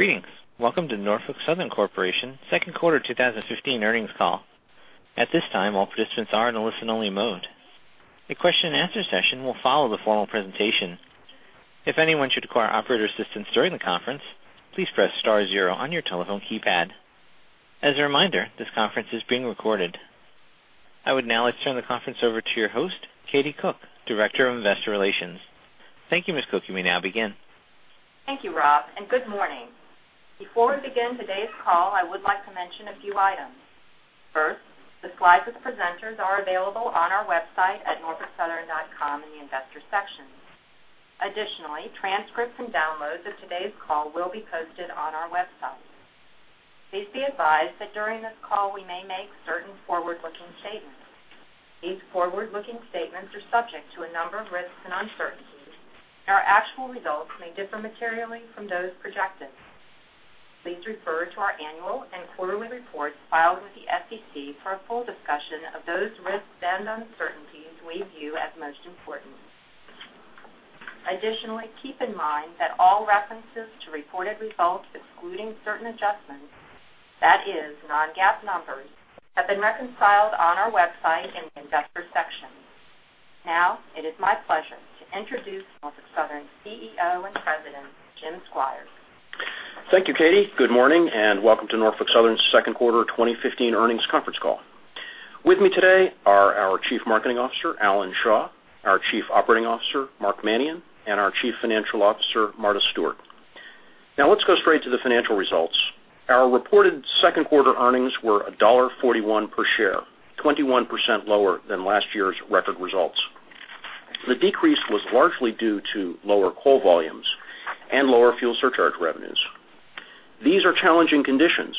Greetings. Welcome to Norfolk Southern Corporation second quarter 2015 earnings call. At this time, all participants are in a listen-only mode. A question and answer session will follow the formal presentation. If anyone should require operator assistance during the conference, please press star zero on your telephone keypad. As a reminder, this conference is being recorded. I would now like to turn the conference over to your host, Katie Cook, Director of Investor Relations. Thank you, Ms. Cook. You may now begin. Thank you, Rob. Good morning. Before we begin today's call, I would like to mention a few items. First, the slides of the presenters are available on our website at norfolksouthern.com in the investor section. Transcripts and downloads of today's call will be posted on our website. Please be advised that during this call, we may make certain forward-looking statements. These forward-looking statements are subject to a number of risks and uncertainties, and our actual results may differ materially from those projected. Please refer to our annual and quarterly reports filed with the SEC for a full discussion of those risks and uncertainties we view as most important. Keep in mind that all references to reported results excluding certain adjustments, that is, non-GAAP numbers, have been reconciled on our website in the investor section. It is my pleasure to introduce Norfolk Southern CEO and President, Jim Squires. Thank you, Katie. Good morning. Welcome to Norfolk Southern's second quarter 2015 earnings conference call. With me today are our Chief Marketing Officer, Alan Shaw, our Chief Operating Officer, Mark Manion, and our Chief Financial Officer, Marta Stewart. Let's go straight to the financial results. Our reported second quarter earnings were $1.41 per share, 21% lower than last year's record results. The decrease was largely due to lower coal volumes and lower fuel surcharge revenues. These are challenging conditions,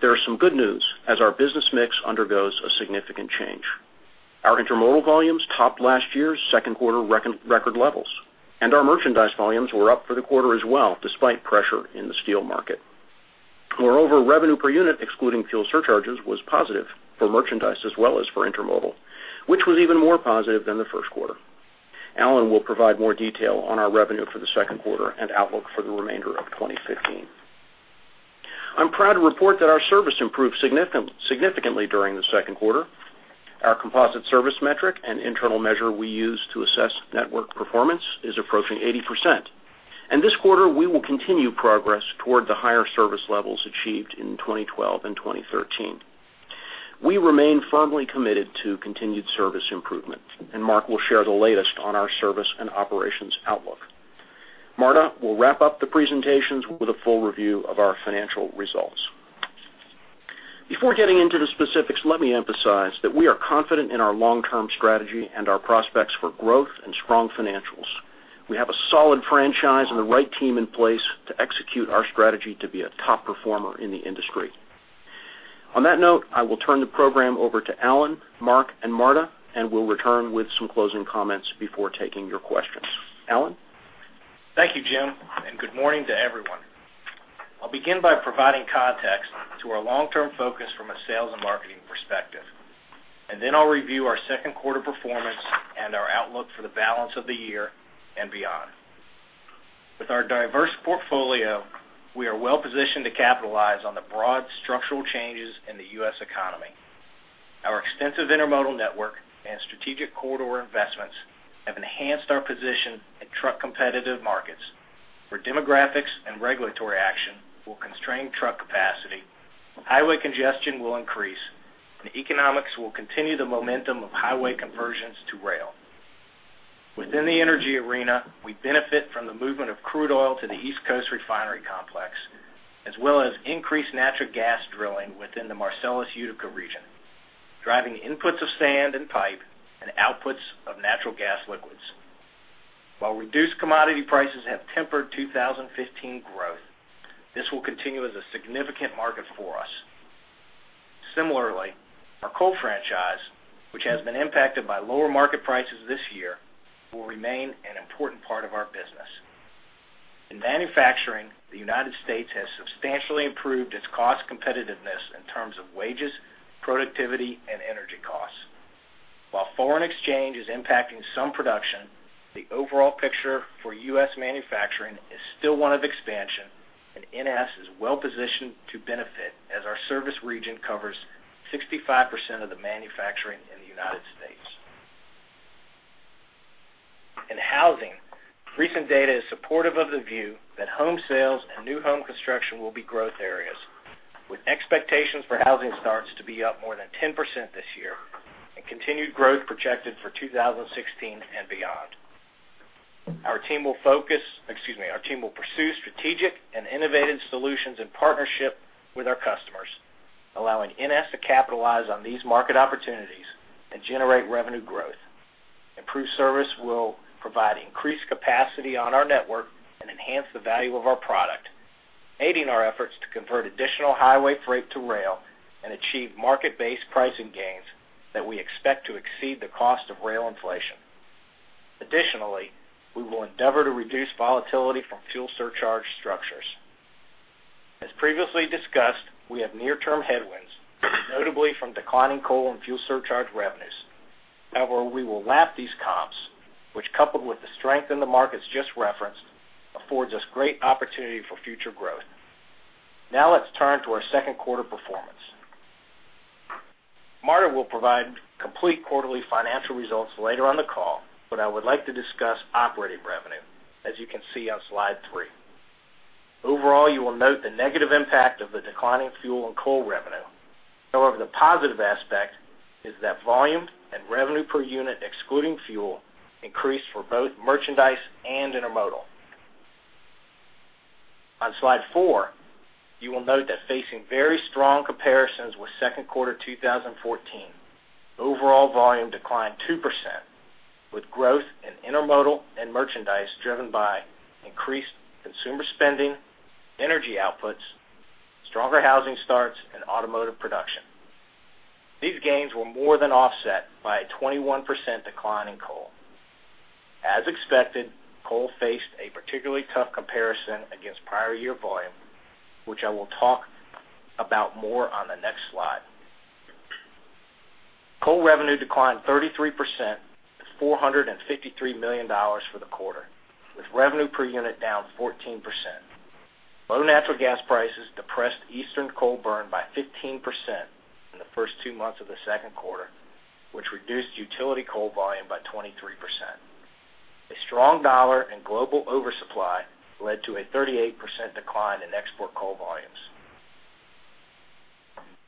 there is some good news as our business mix undergoes a significant change. Our intermodal volumes topped last year's second quarter record levels. Our merchandise volumes were up for the quarter as well, despite pressure in the steel market. Revenue per unit, excluding fuel surcharges, was positive for merchandise as well as for intermodal, which was even more positive than the first quarter. Alan will provide more detail on our revenue for the second quarter and outlook for the remainder of 2015. I'm proud to report that our service improved significantly during the second quarter. Our composite service metric and internal measure we use to assess network performance is approaching 80%. This quarter, we will continue progress toward the higher service levels achieved in 2012 and 2013. We remain firmly committed to continued service improvement, and Mark will share the latest on our service and operations outlook. Marta will wrap up the presentations with a full review of our financial results. Before getting into the specifics, let me emphasize that we are confident in our long-term strategy and our prospects for growth and strong financials. We have a solid franchise and the right team in place to execute our strategy to be a top performer in the industry. On that note, I will turn the program over to Alan, Mark, and Marta, and will return with some closing comments before taking your questions. Alan? Thank you, Jim, and good morning to everyone. I'll begin by providing context to our long-term focus from a sales and marketing perspective. Then I'll review our second quarter performance and our outlook for the balance of the year and beyond. With our diverse portfolio, we are well-positioned to capitalize on the broad structural changes in the U.S. economy. Our extensive intermodal network and strategic corridor investments have enhanced our position in truck competitive markets, where demographics and regulatory action will constrain truck capacity, highway congestion will increase, and economics will continue the momentum of highway conversions to rail. Within the energy arena, we benefit from the movement of crude oil to the East Coast refinery complex, as well as increased natural gas drilling within the Marcellus Utica region, driving inputs of sand and pipe and outputs of Natural Gas Liquids. While reduced commodity prices have tempered 2015 growth, this will continue as a significant market for us. Similarly, our coal franchise, which has been impacted by lower market prices this year, will remain an important part of our business. In manufacturing, the United States has substantially improved its cost competitiveness in terms of wages, productivity, and energy costs. While foreign exchange is impacting some production, the overall picture for U.S. manufacturing is still one of expansion, and NS is well-positioned to benefit as our service region covers 65% of the manufacturing in the United States. In housing, recent data is supportive of the view that home sales and new home construction will be growth areas, with expectations for housing starts to be up more than 10% this year and continued growth projected for 2016 and beyond. Our team will pursue strategic and innovative solutions in partnership with our customers, allowing NS to capitalize on these market opportunities and generate revenue growth. Improved service will provide increased capacity on our network and enhance the value of our product, aiding our efforts to convert additional highway freight to rail and achieve market-based pricing gains that we expect to exceed the cost of rail inflation. Additionally, we will endeavor to reduce volatility from fuel surcharge structures. However, we have near-term headwinds, notably from declining coal and fuel surcharge revenues. We will lap these comps, which coupled with the strength in the markets just referenced, affords us great opportunity for future growth. Now let's turn to our second quarter performance. Marta will provide complete quarterly financial results later on the call, but I would like to discuss operating revenue, as you can see on slide three. Overall, you will note the negative impact of the declining fuel and coal revenue. However, the positive aspect is that volume and revenue per unit, excluding fuel, increased for both merchandise and intermodal. On slide four, you will note that facing very strong comparisons with second quarter 2014, overall volume declined 2%, with growth in intermodal and merchandise driven by increased consumer spending, energy outputs, stronger housing starts, and automotive production. These gains were more than offset by a 21% decline in coal. As expected, coal faced a particularly tough comparison against prior year volume, which I will talk about more on the next slide. Coal revenue declined 33% to $453 million for the quarter, with revenue per unit down 14%. Low natural gas prices depressed eastern coal burn by 15% in the first two months of the second quarter, which reduced utility coal volume by 23%. A strong dollar and global oversupply led to a 38% decline in export coal volumes.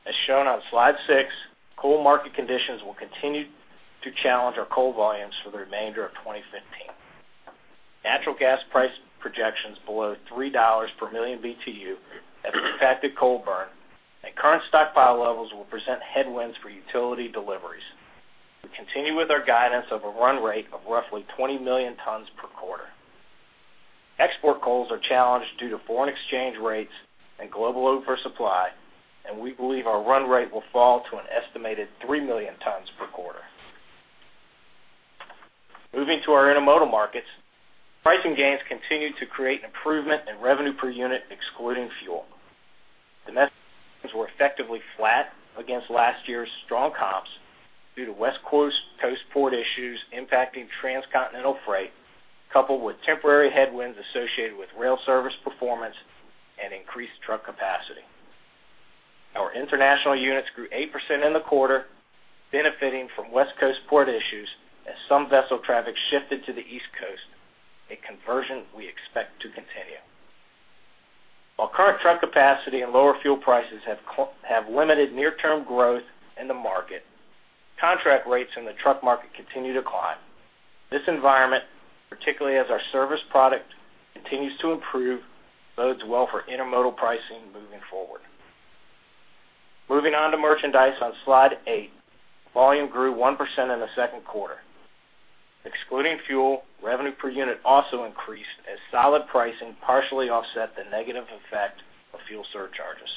As shown on slide six, coal market conditions will continue to challenge our coal volumes for the remainder of 2015. Natural gas price projections below $3 per million BTU have impacted coal burn, and current stockpile levels will present headwinds for utility deliveries. We continue with our guidance of a run rate of roughly 20 million tons per quarter. Export coals are challenged due to foreign exchange rates and global oversupply, and we believe our run rate will fall to an estimated 3 million tons per quarter. Moving to our intermodal markets, pricing gains continue to create improvement in revenue per unit, excluding fuel. Domestic volumes were effectively flat against last year's strong comps due to West Coast port issues impacting transcontinental freight, coupled with temporary headwinds associated with rail service performance and increased truck capacity. Our international units grew 8% in the quarter, benefiting from West Coast port issues as some vessel traffic shifted to the East Coast, a conversion we expect to continue. While current truck capacity and lower fuel prices have limited near-term growth in the market, contract rates in the truck market continue to climb. This environment, particularly as our service product continues to improve, bodes well for intermodal pricing moving forward. Moving on to merchandise on Slide eight, volume grew 1% in the second quarter. Excluding fuel, revenue per unit also increased as solid pricing partially offset the negative effect of fuel surcharges.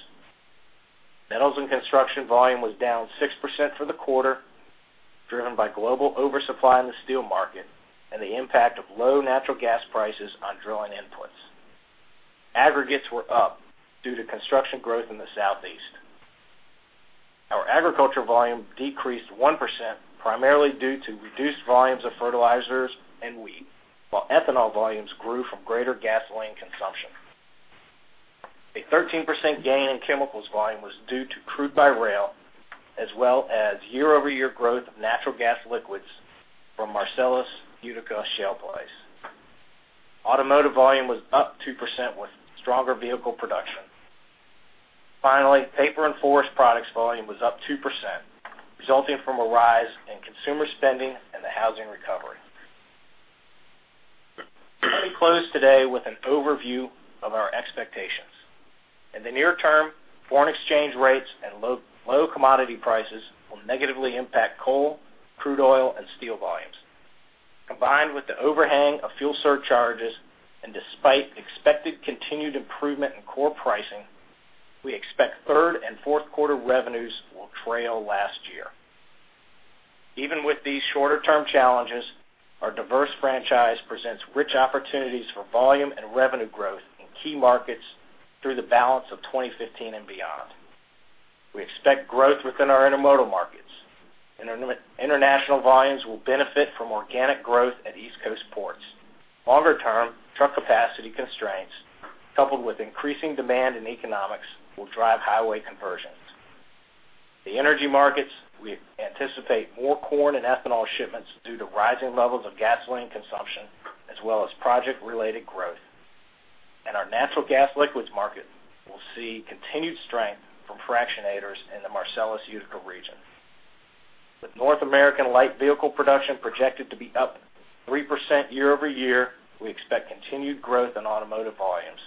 Metals and construction volume was down 6% for the quarter, driven by global oversupply in the steel market and the impact of low natural gas prices on drilling inputs. Aggregates were up due to construction growth in the Southeast. Our agriculture volume decreased 1%, primarily due to reduced volumes of fertilizers and wheat, while ethanol volumes grew from greater gasoline consumption. A 13% gain in chemicals volume was due to crude by rail, as well as year-over-year growth of natural gas liquids from Marcellus Utica shale plays. Automotive volume was up 2% with stronger vehicle production. Finally, paper and forest products volume was up 2%, resulting from a rise in consumer spending and the housing recovery. Let me close today with an overview of our expectations. In the near term, foreign exchange rates and low commodity prices will negatively impact coal, crude oil, and steel volumes. Combined with the overhang of fuel surcharges and despite expected continued improvement in core pricing, we expect third and fourth quarter revenues will trail last year. Even with these shorter-term challenges, our diverse franchise presents rich opportunities for volume and revenue growth in key markets through the balance of 2015 and beyond. We expect growth within our intermodal markets. International volumes will benefit from organic growth at East Coast ports. Longer term, truck capacity constraints, coupled with increasing demand in economics, will drive highway conversions. The energy markets, we anticipate more corn and ethanol shipments due to rising levels of gasoline consumption, as well as project-related growth. Our natural gas liquids market will see continued strength from fractionators in the Marcellus Utica region. With North American light vehicle production projected to be up 3% year-over-year, we expect continued growth in automotive volumes.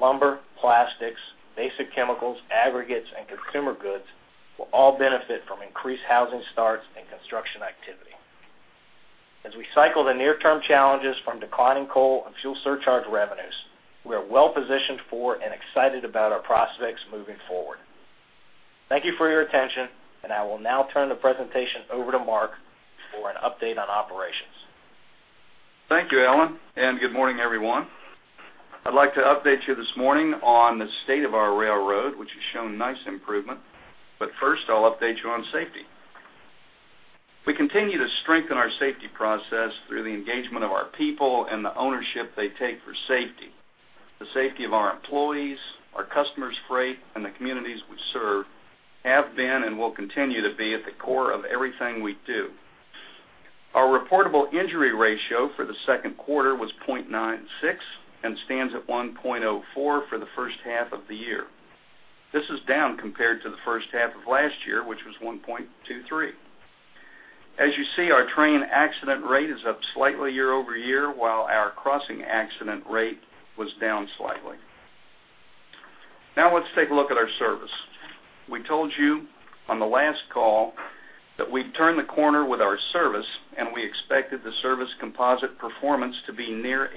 Lumber, plastics, basic chemicals, aggregates, and consumer goods will all benefit from increased housing starts and construction activity. As we cycle the near-term challenges from declining coal and fuel surcharge revenues, we are well-positioned for and excited about our prospects moving forward. Thank you for your attention, and I will now turn the presentation over to Mark for an update on operations Thank you, Alan, and good morning, everyone. I'd like to update you this morning on the state of our railroad, which has shown nice improvement, but first, I'll update you on safety. We continue to strengthen our safety process through the engagement of our people and the ownership they take for safety. The safety of our employees, our customer's freight, and the communities we serve have been and will continue to be at the core of everything we do. Our reportable injury ratio for the second quarter was 0.96 and stands at 1.04 for the first half of the year. This is down compared to the first half of last year, which was 1.23. As you see, our train accident rate is up slightly year-over-year, while our crossing accident rate was down slightly. Now let's take a look at our service. We told you on the last call that we'd turn the corner with our service, and we expected the service composite performance to be near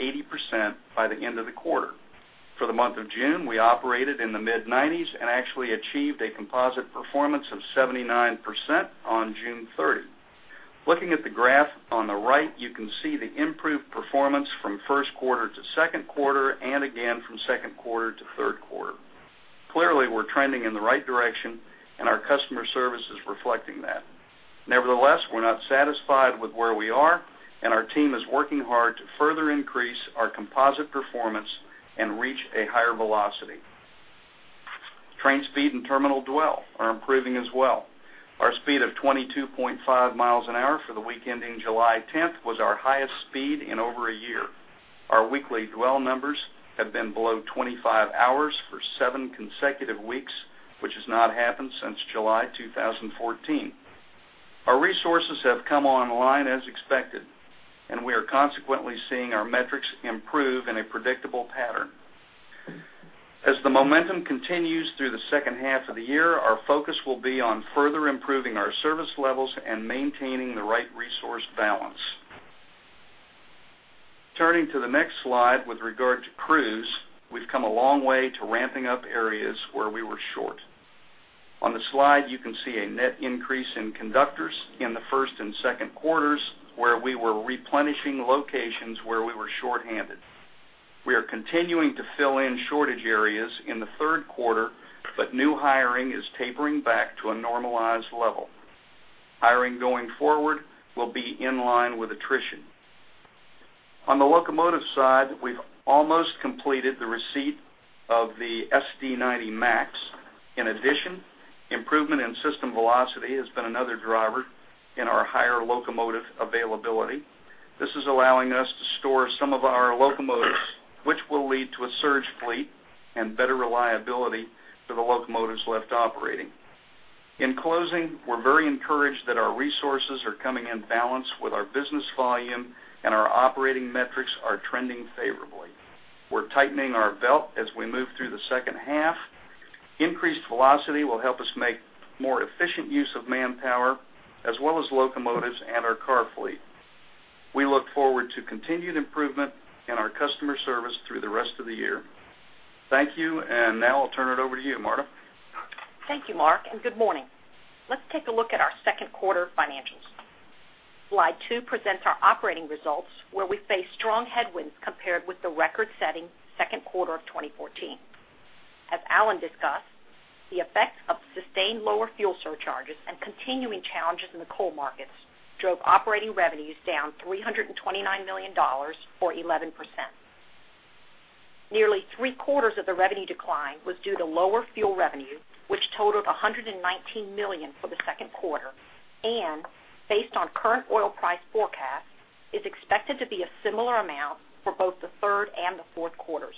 80% by the end of the quarter. For the month of June, we operated in the mid-90s and actually achieved a composite performance of 79% on June 30th. Looking at the graph on the right, you can see the improved performance from first quarter to second quarter, and again from second quarter to third quarter. Clearly, we're trending in the right direction, and our customer service is reflecting that. Nevertheless, we're not satisfied with where we are, and our team is working hard to further increase our composite performance and reach a higher velocity. Train speed and terminal dwell are improving as well. Our speed of 22.5 miles an hour for the week ending July 10th was our highest speed in over a year. Our weekly dwell numbers have been below 25 hours for seven consecutive weeks, which has not happened since July 2014. Our resources have come online as expected. We are consequently seeing our metrics improve in a predictable pattern. As the momentum continues through the second half of the year, our focus will be on further improving our service levels and maintaining the right resource balance. Turning to the next Slide two with regard to crews, we've come a long way to ramping up areas where we were short. On the slide, you can see a net increase in conductors in the first and second quarters, where we were replenishing locations where we were shorthanded. We are continuing to fill in shortage areas in the third quarter. New hiring is tapering back to a normalized level. Hiring going forward will be in line with attrition. On the locomotive side, we've almost completed the receipt of the SD90MAC. In addition, improvement in system velocity has been another driver in our higher locomotive availability. This is allowing us to store some of our locomotives, which will lead to a surge fleet and better reliability for the locomotives left operating. In closing, we're very encouraged that our resources are coming in balance with our business volume and our operating metrics are trending favorably. We're tightening our belt as we move through the second half. Increased velocity will help us make more efficient use of manpower, as well as locomotives and our car fleet. We look forward to continued improvement in our customer service through the rest of the year. Thank you. Now I'll turn it over to you, Marta. Thank you, Mark. Good morning. Let's take a look at our second quarter financials. Slide two presents our operating results, where we face strong headwinds compared with the record-setting second quarter of 2014. As Alan discussed, the effects of sustained lower fuel surcharges and continuing challenges in the coal markets drove operating revenues down $329 million or 11%. Nearly three-quarters of the revenue decline was due to lower fuel revenue, which totaled $119 million for the second quarter, and based on current oil price forecasts, is expected to be a similar amount for both the third and the fourth quarters.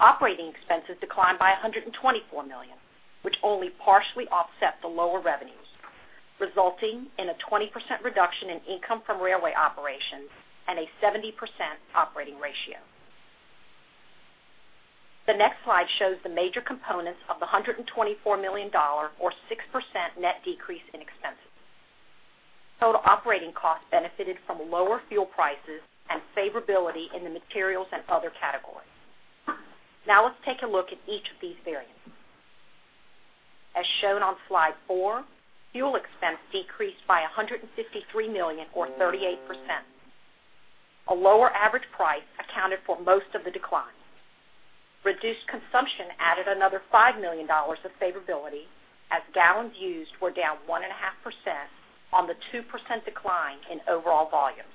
Operating expenses declined by $124 million, which only partially offset the lower revenues, resulting in a 20% reduction in income from railway operations and a 70% operating ratio. The next slide shows the major components of the $124 million or 6% net decrease in expenses. Total operating costs benefited from lower fuel prices and favorability in the materials and other categories. Let's take a look at each of these variants. As shown on slide four, fuel expense decreased by $153 million or 38%. A lower average price accounted for most of the decline. Reduced consumption added another $5 million of favorability as gallons used were down 1.5% on the 2% decline in overall volume.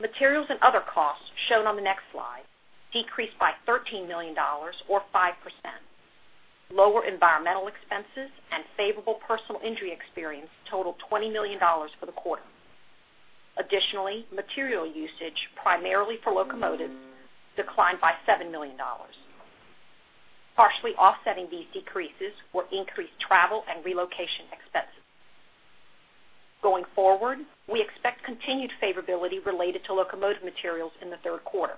Materials and other costs, shown on the next slide, decreased by $13 million or 5%. Lower environmental expenses and favorable personal injury experience totaled $20 million for the quarter. Additionally, material usage, primarily for locomotives, declined by $7 million. Partially offsetting these decreases were increased travel and relocation expenses. Going forward, we expect continued favorability related to locomotive materials in the third quarter.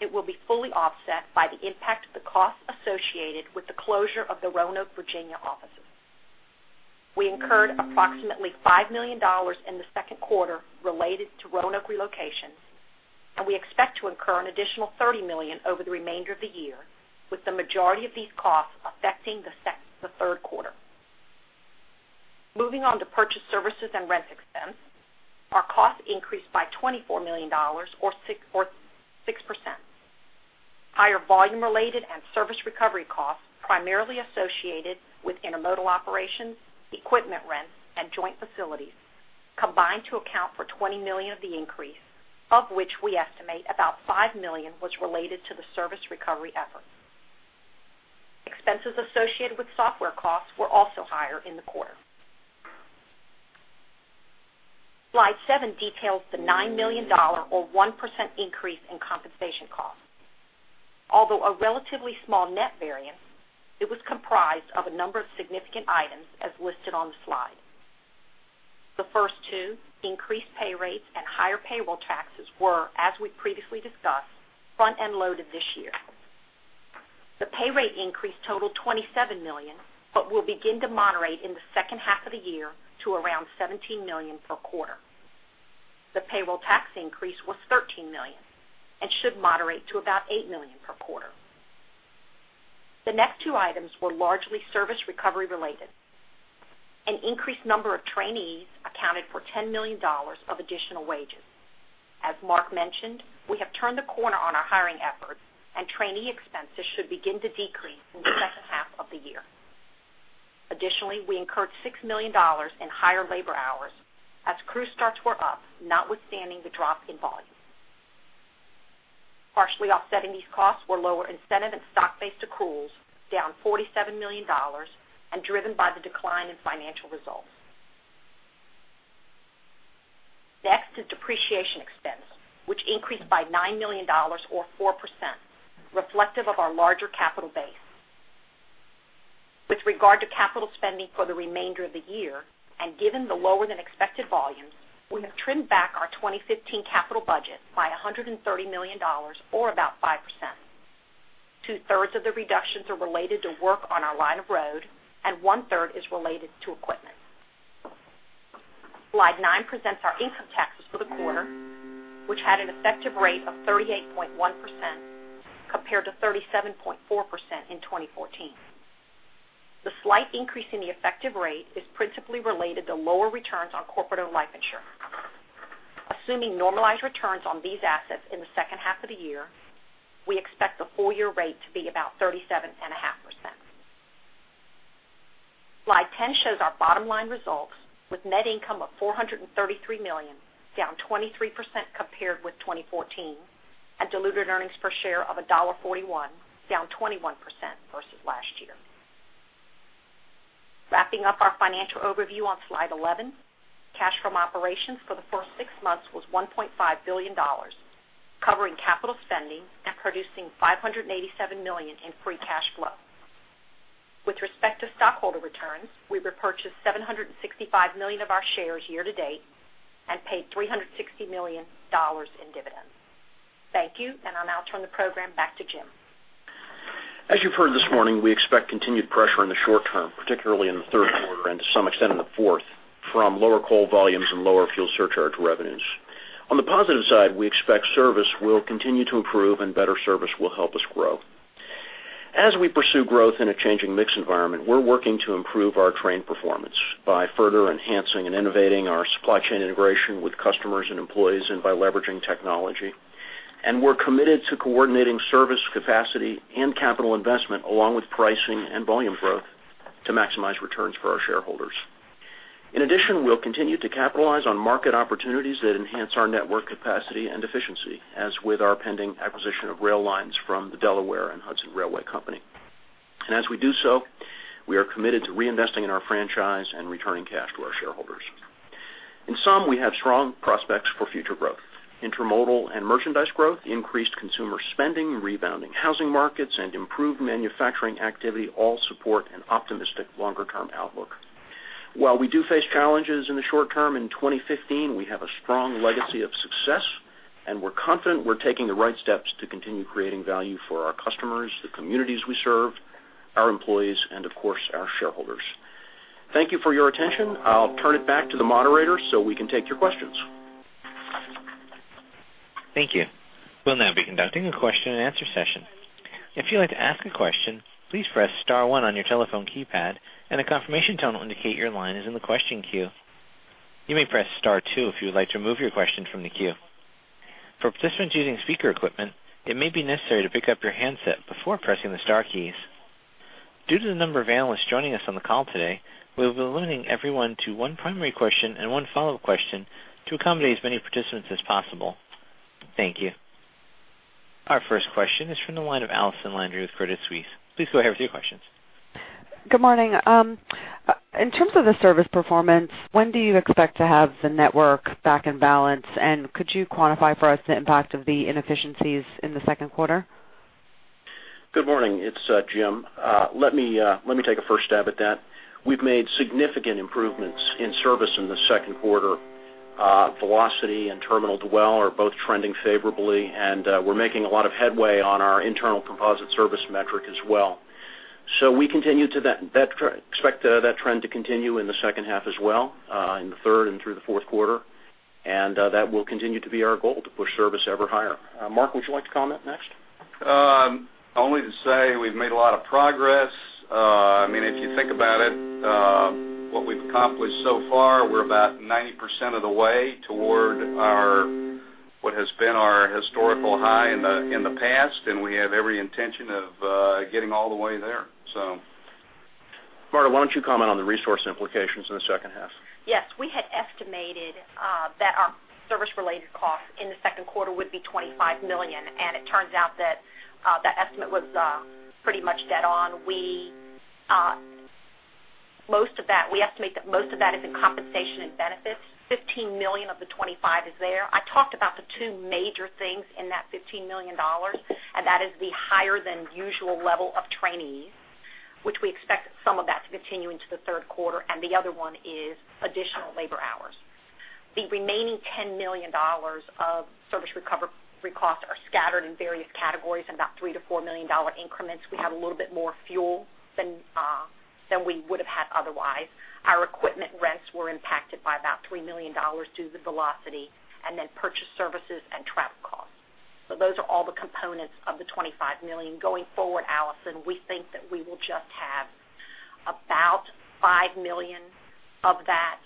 It will be fully offset by the impact of the costs associated with the closure of the Roanoke, Virginia offices. We incurred approximately $5 million in the second quarter related to Roanoke relocations. We expect to incur an additional $30 million over the remainder of the year, with the majority of these costs affecting the third quarter. Moving on to purchase services and rent expense. Our costs increased by $24 million, or 6%. Higher volume related and service recovery costs, primarily associated with intermodal operations, equipment rents, and joint facilities, combined to account for $20 million of the increase, of which we estimate about $5 million was related to the service recovery efforts. Expenses associated with software costs were also higher in the quarter. Slide seven details the $9 million, or 1% increase in compensation costs. Although a relatively small net variance, it was comprised of a number of significant items as listed on the slide. The first two, increased pay rates and higher payroll taxes were, as we previously discussed, front-end loaded this year. The pay rate increase totaled $27 million, but will begin to moderate in the second half of the year to around $17 million per quarter. The payroll tax increase was $13 million and should moderate to about $8 million per quarter. The next two items were largely service recovery related. An increased number of trainees accounted for $10 million of additional wages. As Mark mentioned, we have turned the corner on our hiring efforts, and trainee expenses should begin to decrease in the second half of the year. Additionally, we incurred $6 million in higher labor hours as crew starts were up, notwithstanding the drop in volume. Partially offsetting these costs were lower incentive and stock-based accruals, down $47 million and driven by the decline in financial results. Next is depreciation expense, which increased by $9 million or 4%, reflective of our larger capital base. With regard to capital spending for the remainder of the year, and given the lower than expected volumes, we have trimmed back our 2015 capital budget by $130 million or about 5%. Two-thirds of the reductions are related to work on our line of road, and one-third is related to equipment. Slide nine presents our income taxes for the quarter, which had an effective rate of 38.1% compared to 37.4% in 2014. The slight increase in the effective rate is principally related to lower returns on corporate-owned life insurance. Assuming normalized returns on these assets in the second half of the year, we expect the full-year rate to be about 37.5%. Slide 10 shows our bottom line results with net income of $433 million, down 23% compared with 2014, and diluted earnings per share of $1.41, down 21% versus last year. Wrapping up our financial overview on slide 11, cash from operations for the first six months was $1.5 billion, covering capital spending and producing $587 million in free cash flow. With respect to stockholder returns, we repurchased $765 million of our shares year to date and paid $360 million in dividends. Thank you, I'll now turn the program back to Jim. As you've heard this morning, we expect continued pressure in the short term, particularly in the third quarter and to some extent in the fourth, from lower coal volumes and lower fuel surcharge revenues. On the positive side, we expect service will continue to improve and better service will help us grow. As we pursue growth in a changing mix environment, we're working to improve our train performance by further enhancing and innovating our supply chain integration with customers and employees and by leveraging technology. We're committed to coordinating service capacity and capital investment along with pricing and volume growth to maximize returns for our shareholders. In addition, we'll continue to capitalize on market opportunities that enhance our network capacity and efficiency, as with our pending acquisition of rail lines from the Delaware and Hudson Railway Company. As we do so, we are committed to reinvesting in our franchise and returning cash to our shareholders. In sum, we have strong prospects for future growth. Intermodal and merchandise growth, increased consumer spending, rebounding housing markets, and improved manufacturing activity all support an optimistic longer-term outlook. While we do face challenges in the short term, in 2015, we have a strong legacy of success, and we're confident we're taking the right steps to continue creating value for our customers, the communities we serve, our employees, and of course, our shareholders. Thank you for your attention. I'll turn it back to the moderator so we can take your questions. Thank you. We'll now be conducting a question and answer session. If you'd like to ask a question, please press *1 on your telephone keypad and a confirmation tone will indicate your line is in the question queue. You may press *2 if you would like to remove your question from the queue. For participants using speaker equipment, it may be necessary to pick up your handset before pressing the star keys. Due to the number of analysts joining us on the call today, we will be limiting everyone to one primary question and one follow-up question to accommodate as many participants as possible. Thank you. Our first question is from the line of Allison Landry with Credit Suisse. Please go ahead with your questions. Good morning. In terms of the service performance, when do you expect to have the network back in balance? Could you quantify for us the impact of the inefficiencies in the second quarter? Good morning. It's Jim. Let me take a first stab at that. We've made significant improvements in service in the second quarter. Velocity and terminal dwell are both trending favorably. We're making a lot of headway on our internal composite service metric as well. We continue to expect that trend to continue in the second half as well, in the third and through the fourth quarter. That will continue to be our goal, to push service ever higher. Mark, would you like to comment next? Only to say we've made a lot of progress. If you think about it, what we've accomplished so far, we're about 90% of the way toward what has been our historical high in the past. We have every intention of getting all the way there. Marta, why don't you comment on the resource implications in the second half? Yes. We had estimated that our service-related costs in the second quarter would be $25 million. It turns out that estimate was pretty much dead on. We estimate that most of that is in compensation and benefits. $15 million of the $25 million is there. I talked about the two major things in that $15 million. That is the higher than usual level of trainees, which we expect some of that to continue into the third quarter. The other one is additional labor hours. The remaining $10 million of service recovery costs are scattered in various categories in about $3 million-$4 million increments. We have a little bit more fuel than we would have had otherwise. Our equipment rents were impacted by about $3 million due to velocity. Then purchase services and travel costs. Those are all the components of the $25 million. Going forward, Allison, we think that we will just have about $5 million of that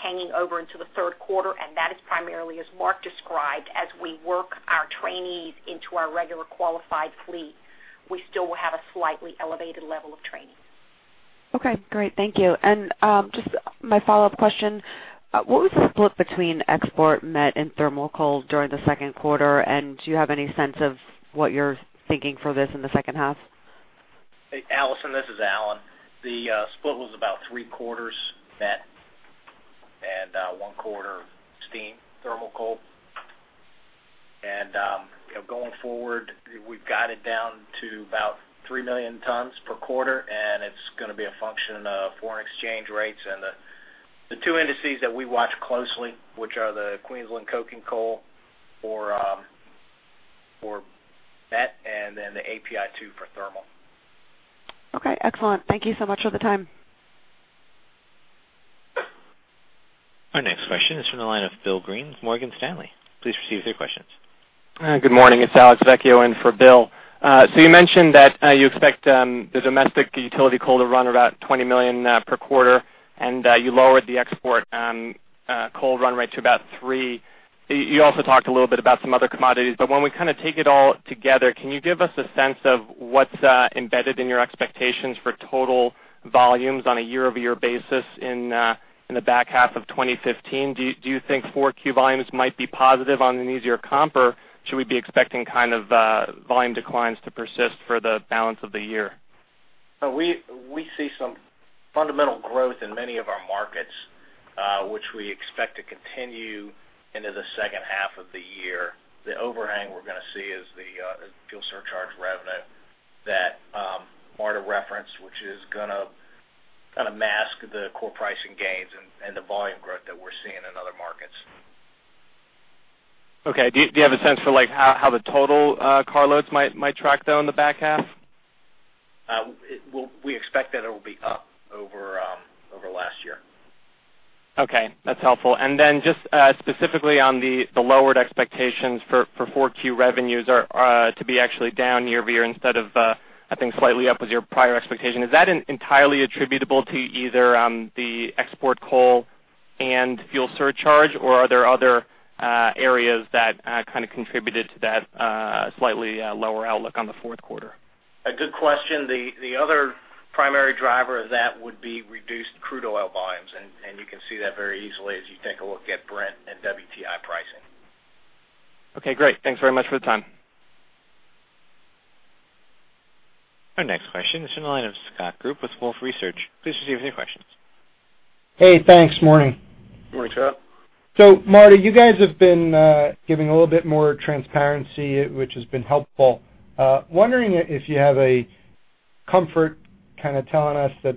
hanging over into the third quarter. That is primarily, as Mark described, as we work our trainees into our regular qualified fleet. We still will have a slightly elevated level of training. Okay, great. Thank you. Just my follow-up question, what was the split between export met and thermal coal during the second quarter? Do you have any sense of what you're thinking for this in the second half? Hey, Allison, this is Alan. The split was about three-quarters met and one-quarter steam, thermal coal. Going forward, we've got it down to about 3 million tons per quarter. It's going to be a function of foreign exchange rates and the two indices that we watch closely, which are the Queensland coking coal for met. Then the API2 for thermal. Okay, excellent. Thank you so much for the time. Our next question is from the line of Philip Green with Morgan Stanley. Please proceed with your questions. Good morning. It's Alex Vecchio in for Bill. You mentioned that you expect the domestic utility coal to run about $20 million per quarter, you lowered the export coal run rate to about three. You also talked a little bit about some other commodities, when we take it all together, can you give us a sense of what's embedded in your expectations for total volumes on a year-over-year basis in the back half of 2015? Do you think 4Q volumes might be positive on an easier comp, or should we be expecting volume declines to persist for the balance of the year? We see some fundamental growth in many of our markets, which we expect to continue into the second half of the year. The overhang we're going to see is the fuel surcharge revenue that Marta referenced, which is going to mask the core pricing gains and the volume growth that we're seeing in other markets. Okay. Do you have a sense for how the total car loads might track, though, in the back half? We expect that it will be up over last year. Okay, that's helpful. Just specifically on the lowered expectations for 4Q revenues are to be actually down year-over-year instead of, I think, slightly up was your prior expectation. Is that entirely attributable to either the export coal and fuel surcharge, or are there other areas that kind of contributed to that slightly lower outlook on the fourth quarter? A good question. The other primary driver of that would be reduced crude oil volumes, you can see that very easily as you take a look at Brent and WTI pricing. Okay, great. Thanks very much for the time. Our next question is from the line of Scott Group with Wolfe Research. Please proceed with your questions. Hey, thanks. Morning. Morning, Scott. Marta, you guys have been giving a little bit more transparency, which has been helpful. Wondering if you have a comfort kind of telling us that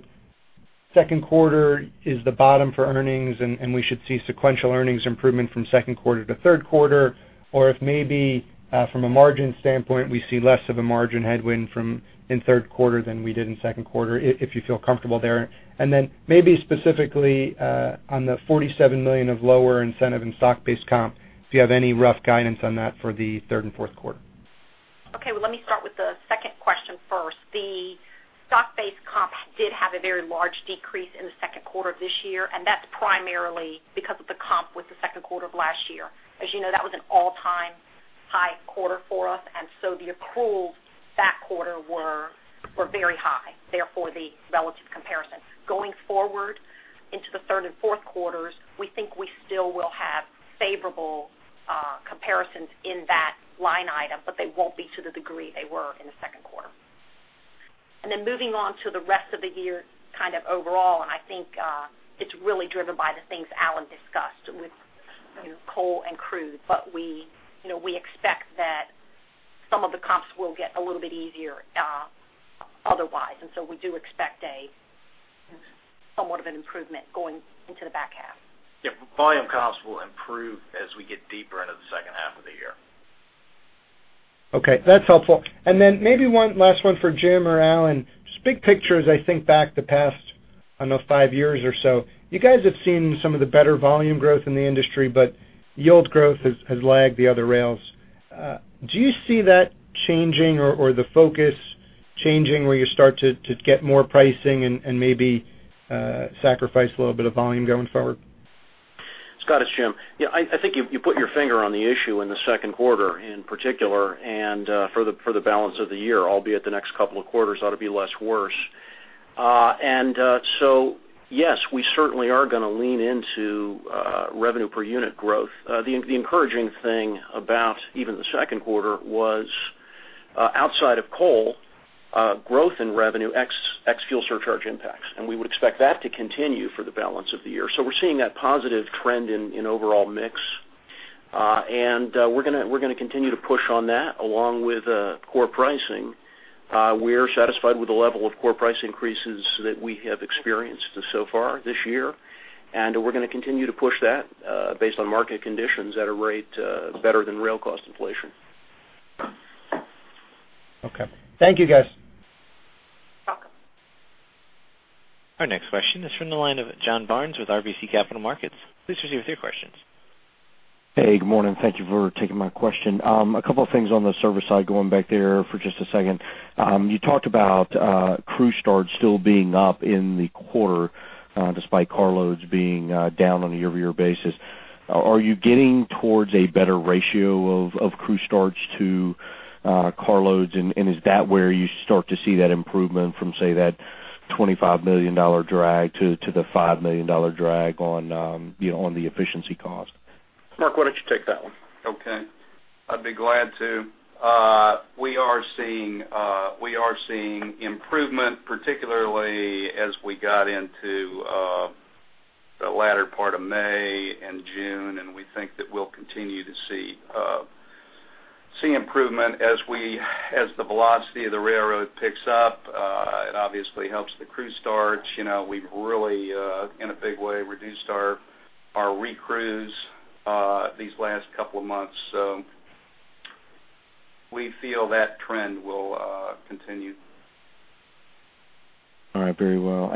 second quarter is the bottom for earnings and we should see sequential earnings improvement from second quarter to third quarter, or if maybe from a margin standpoint, we see less of a margin headwind in third quarter than we did in second quarter, if you feel comfortable there. Maybe specifically on the $47 million of lower incentive and stock-based comp, if you have any rough guidance on that for the third and fourth quarter. Let me start with the second question first. The stock-based comp did have a very large decrease in the second quarter of this year, and that's primarily because of the comp with the second quarter of last year. As you know, that was an all-time high quarter for us, the accruals that quarter were very high, therefore the relative comparisons. Going forward into the third and fourth quarters, we think we still will have favorable comparisons in that line item, but they won't be to the degree they were in the second quarter. Moving on to the rest of the year kind of overall, I think it's really driven by the things Alan discussed with coal and crude. We expect that some of the comps will get a little bit easier otherwise. We do expect a somewhat of an improvement going into the back half. Volume costs will improve as we get deeper into the second half of the year. Okay. That's helpful. Maybe one last one for Jim or Alan. Just big picture, as I think back the past, I don't know, five years or so, you guys have seen some of the better volume growth in the industry, but yield growth has lagged the other rails. Do you see that changing or the focus changing, where you start to get more pricing and maybe sacrifice a little bit of volume going forward? Scott, it's Jim. I think you put your finger on the issue in the second quarter in particular, for the balance of the year, albeit the next couple of quarters ought to be less worse. Yes, we certainly are going to lean into revenue per unit growth. The encouraging thing about even the second quarter was, outside of coal, growth in revenue ex fuel surcharge impacts, we would expect that to continue for the balance of the year. We're seeing that positive trend in overall mix. We're going to continue to push on that along with core pricing. We are satisfied with the level of core price increases that we have experienced so far this year, we're going to continue to push that based on market conditions at a rate better than rail cost inflation. Okay. Thank you, guys. Welcome. Our next question is from the line of John Barnes with RBC Capital Markets. Please proceed with your questions. Hey, good morning. Thank you for taking my question. A couple of things on the service side, going back there for just a second. You talked about crew starts still being up in the quarter, despite car loads being down on a year-over-year basis. Are you getting towards a better ratio of crew starts to car loads? Is that where you start to see that improvement from, say, that $25 million drag to the $5 million drag on the efficiency cost? Mark, why don't you take that one? Okay. I'd be glad to. We are seeing improvement, particularly as we got into the latter part of May and June, and we think that we'll continue to see improvement as the velocity of the railroad picks up. It obviously helps the crew starts. We've really, in a big way, reduced our recrews these last couple of months. We feel that trend will continue. All right, very well.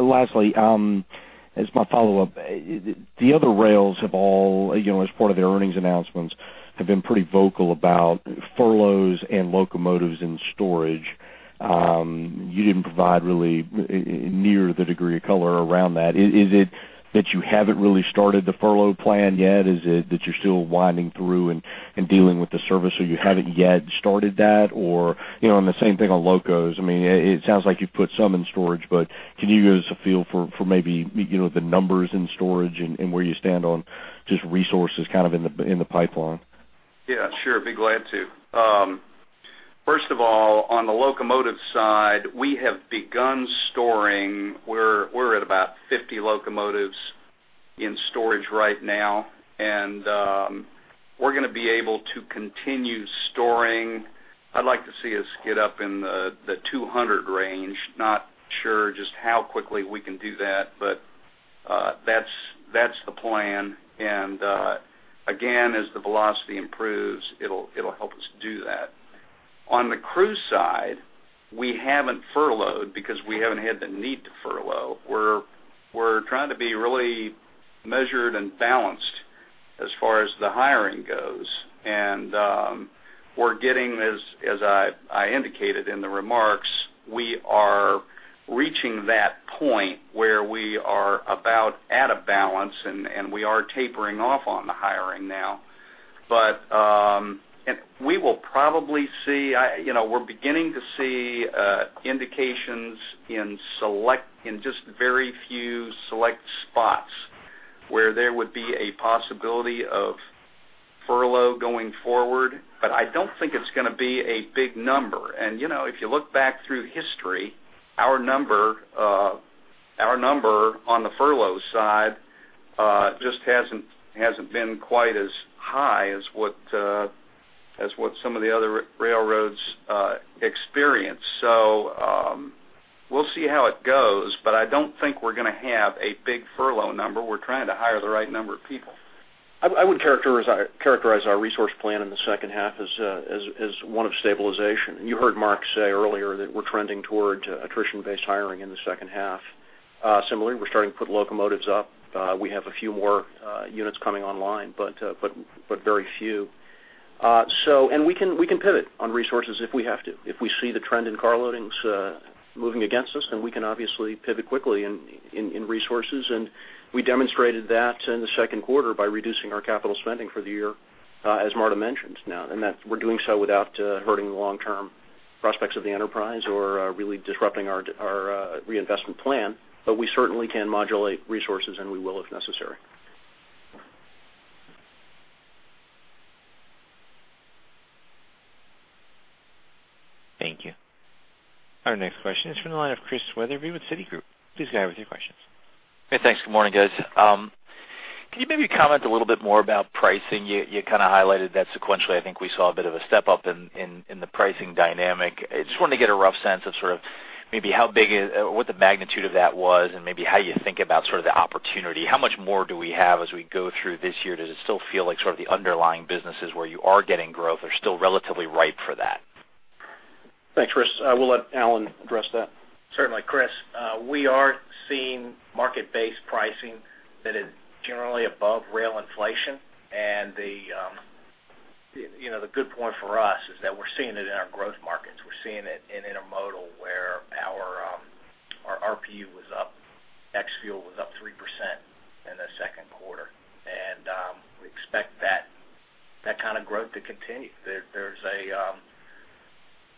Lastly, as my follow-up, the other rails have all, as part of their earnings announcements, have been pretty vocal about furloughs and locomotives in storage. You didn't provide really near the degree of color around that. Is it that you haven't really started the furlough plan yet? Is it that you're still winding through and dealing with the service, so you haven't yet started that? The same thing on locos. It sounds like you've put some in storage, but can you give us a feel for maybe the numbers in storage and where you stand on just resources kind of in the pipeline? Yeah, sure. Be glad to. First of all, on the locomotive side, we have begun storing, we're at about 50 locomotives in storage right now, and we're going to be able to continue storing. I'd like to see us get up in the 200 range. Not sure just how quickly we can do that, but that's the plan. Again, as the velocity improves, it'll help us do that. On the crew side, we haven't furloughed because we haven't had the need to furlough. We're trying to be really measured and balanced as far as the hiring goes, and we're getting, as I indicated in the remarks, we are reaching that point where we are about at a balance, and we are tapering off on the hiring now. We will probably see. We're beginning to see indications in just very few select spots where there would be a possibility of furlough going forward, but I don't think it's going to be a big number. If you look back through history, our number on the furlough side just hasn't been quite as high as what some of the other railroads experience. We'll see how it goes, but I don't think we're going to have a big furlough number. We're trying to hire the right number of people. I would characterize our resource plan in the second half as one of stabilization, and you heard Mark say earlier that we're trending towards attrition-based hiring in the second half. Similarly, we're starting to put locomotives up. We have a few more units coming online, but very few. We can pivot on resources if we have to. If we see the trend in car loadings moving against us, we can obviously pivot quickly in resources, and we demonstrated that in the second quarter by reducing our capital spending for the year, as Marta mentioned now. That we're doing so without hurting the long-term prospects of the enterprise or really disrupting our reinvestment plan. We certainly can modulate resources, and we will if necessary. Thank you. Our next question is from the line of Chris Wetherbee with Citigroup. Please go ahead with your questions. Hey, thanks. Good morning, guys, Can you maybe comment a little bit more about pricing? You highlighted that sequentially, I think we saw a bit of a step up in the pricing dynamic. Just wanted to get a rough sense of maybe what the magnitude of that was and maybe how you think about the opportunity. How much more do we have as we go through this year? Does it still feel like the underlying businesses where you are getting growth are still relatively ripe for that? Thanks, Chris. I will let Alan address that. Certainly, Chris. We are seeing market-based pricing that is generally above rail inflation. The good point for us is that we're seeing it in our growth markets. We're seeing it in intermodal, where our RPU was up, ex-fuel was up 3% in the second quarter, and we expect that kind of growth to continue.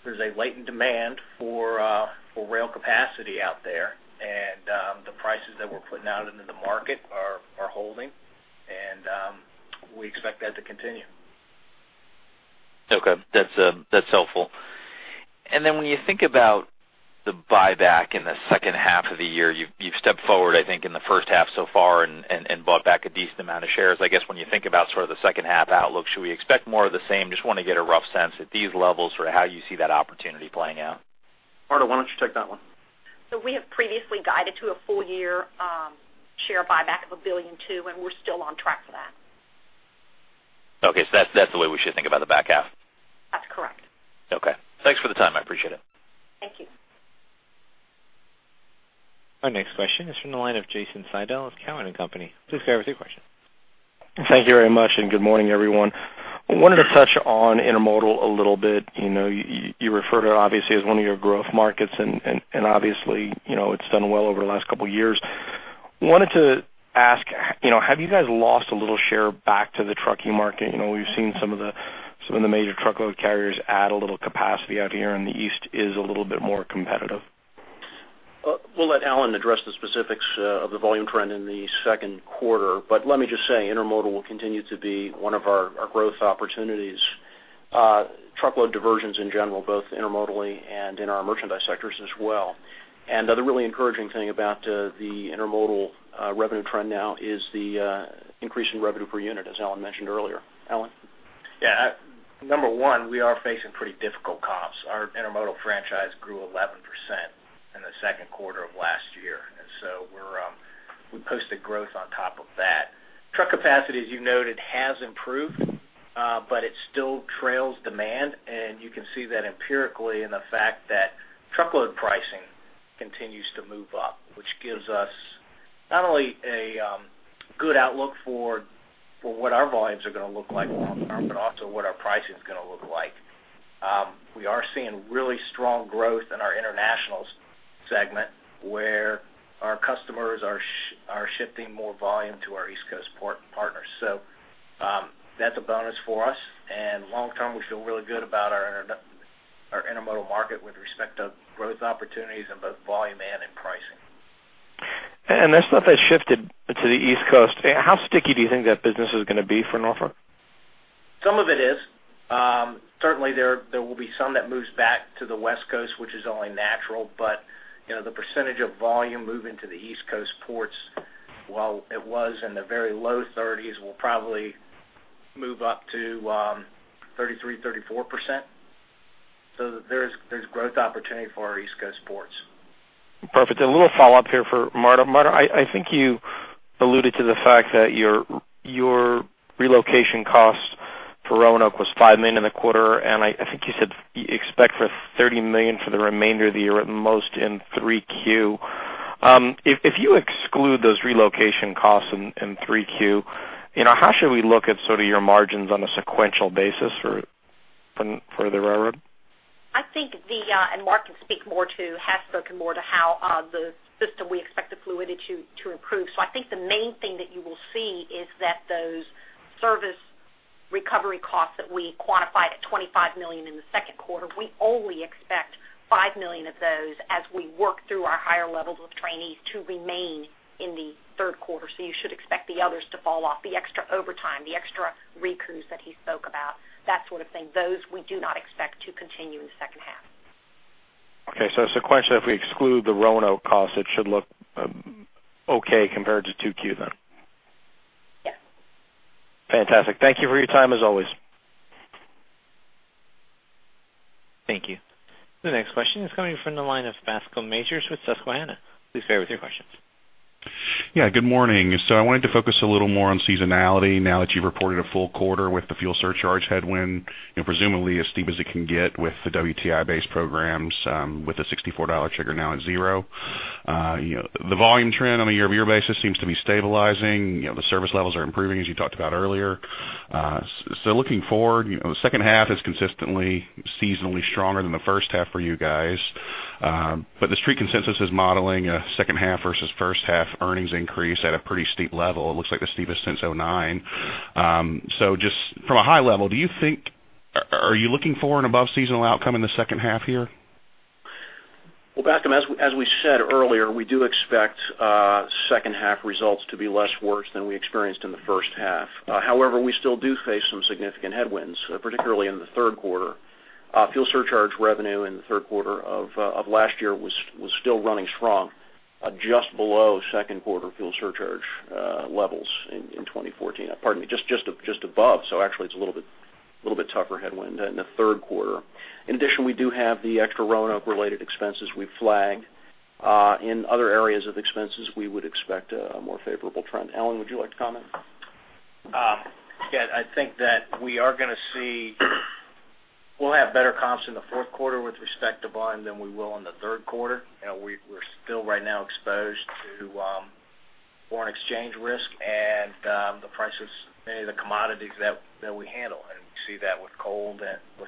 There's a latent demand for rail capacity out there, and the prices that we're putting out into the market are holding, and we expect that to continue. Okay. That's helpful. When you think about the buyback in the second half of the year, you've stepped forward, I think, in the first half so far and bought back a decent amount of shares. I guess when you think about the second half outlook, should we expect more of the same? Just want to get a rough sense at these levels, how you see that opportunity playing out. Marta, why don't you take that one? We have previously guided to a full year share buyback of $1.2 billion, and we're still on track for that. Okay. That's the way we should think about the back half. That's correct. Okay. Thanks for the time. I appreciate it. Thank you. Our next question is from the line of Jason Seidl of Cowen and Company. Please go ahead with your question. Thank you very much. Good morning, everyone. I wanted to touch on intermodal a little bit. You refer to it, obviously, as one of your growth markets, and obviously, it's done well over the last couple of years. Wanted to ask, have you guys lost a little share back to the trucking market? We've seen some of the major truckload carriers add a little capacity out here, and the East is a little bit more competitive. We'll let Alan address the specifics of the volume trend in the second quarter. Let me just say, intermodal will continue to be one of our growth opportunities. Truckload diversions in general, both intermodally and in our merchandise sectors as well. The other really encouraging thing about the intermodal revenue trend now is the increase in revenue per unit, as Alan mentioned earlier. Alan? Yeah. Number one, we are facing pretty difficult comps. Our intermodal franchise grew 11% in the second quarter of last year, we posted growth on top of that. Truck capacity, as you noted, has improved, it still trails demand, you can see that empirically in the fact that truckload pricing continues to move up, which gives us not only a good outlook for what our volumes are going to look like long-term, but also what our pricing is going to look like. We are seeing really strong growth in our internationals segment, where our customers are shifting more volume to our East Coast port partners. That's a bonus for us. Long-term, we feel really good about our intermodal market with respect to growth opportunities in both volume and in pricing. That stuff that shifted to the East Coast, how sticky do you think that business is going to be for Norfolk? Some of it is. Certainly, there will be some that moves back to the West Coast, which is only natural, the percentage of volume moving to the East Coast ports, while it was in the very low 30s, will probably move up to 33%, 34%. There's growth opportunity for our East Coast ports. Perfect. A little follow-up here for Marta. Marta, I think you alluded to the fact that your relocation cost for Roanoke was $5 million in the quarter, and I think you said you expect for $30 million for the remainder of the year, at most in 3Q. If you exclude those relocation costs in 3Q, how should we look at your margins on a sequential basis for the railroad? Mark has spoken more to how the system we expect the fluidity to improve. I think the main thing that you will see is that those service recovery costs that we quantified at $25 million in the second quarter, we only expect $5 million of those as we work through our higher levels of trainees to remain in the third quarter. You should expect the others to fall off. The extra overtime, the extra re-crews that he spoke about, that sort of thing. Those we do not expect to continue in the second half. Okay. Sequentially, if we exclude the Roanoke cost, it should look okay compared to 2Q, then. Yes. Fantastic. Thank you for your time, as always. Thank you. The next question is coming from the line of Bascom Majors with Susquehanna. Please go ahead with your questions. Yeah, good morning. I wanted to focus a little more on seasonality now that you've reported a full quarter with the fuel surcharge headwind and presumably as steep as it can get with the WTI-based programs with the $64 trigger now at zero. The volume trend on a year-over-year basis seems to be stabilizing. The service levels are improving, as you talked about earlier. Looking forward, the second half is consistently seasonally stronger than the first half for you guys. The Street consensus is modeling a second half versus first half earnings increase at a pretty steep level. It looks like the steepest since 2009. Just from a high level, are you looking for an above-seasonal outcome in the second half here? Well, Bascom, as we said earlier, we do expect second half results to be less worse than we experienced in the first half. However, we still do face some significant headwinds, particularly in the third quarter. Fuel surcharge revenue in the third quarter of last year was still running strong, just below second quarter fuel surcharge levels in 2014. Pardon me, just above. Actually it's a little bit tougher headwind in the third quarter. In addition, we do have the extra Roanoke-related expenses we've flagged. In other areas of expenses, we would expect a more favorable trend. Alan, would you like to comment? Yeah, I think that we'll have better comps in the fourth quarter with respect to volume than we will in the third quarter. We're still right now exposed to foreign exchange risk and the prices, many of the commodities that we handle, and we see that with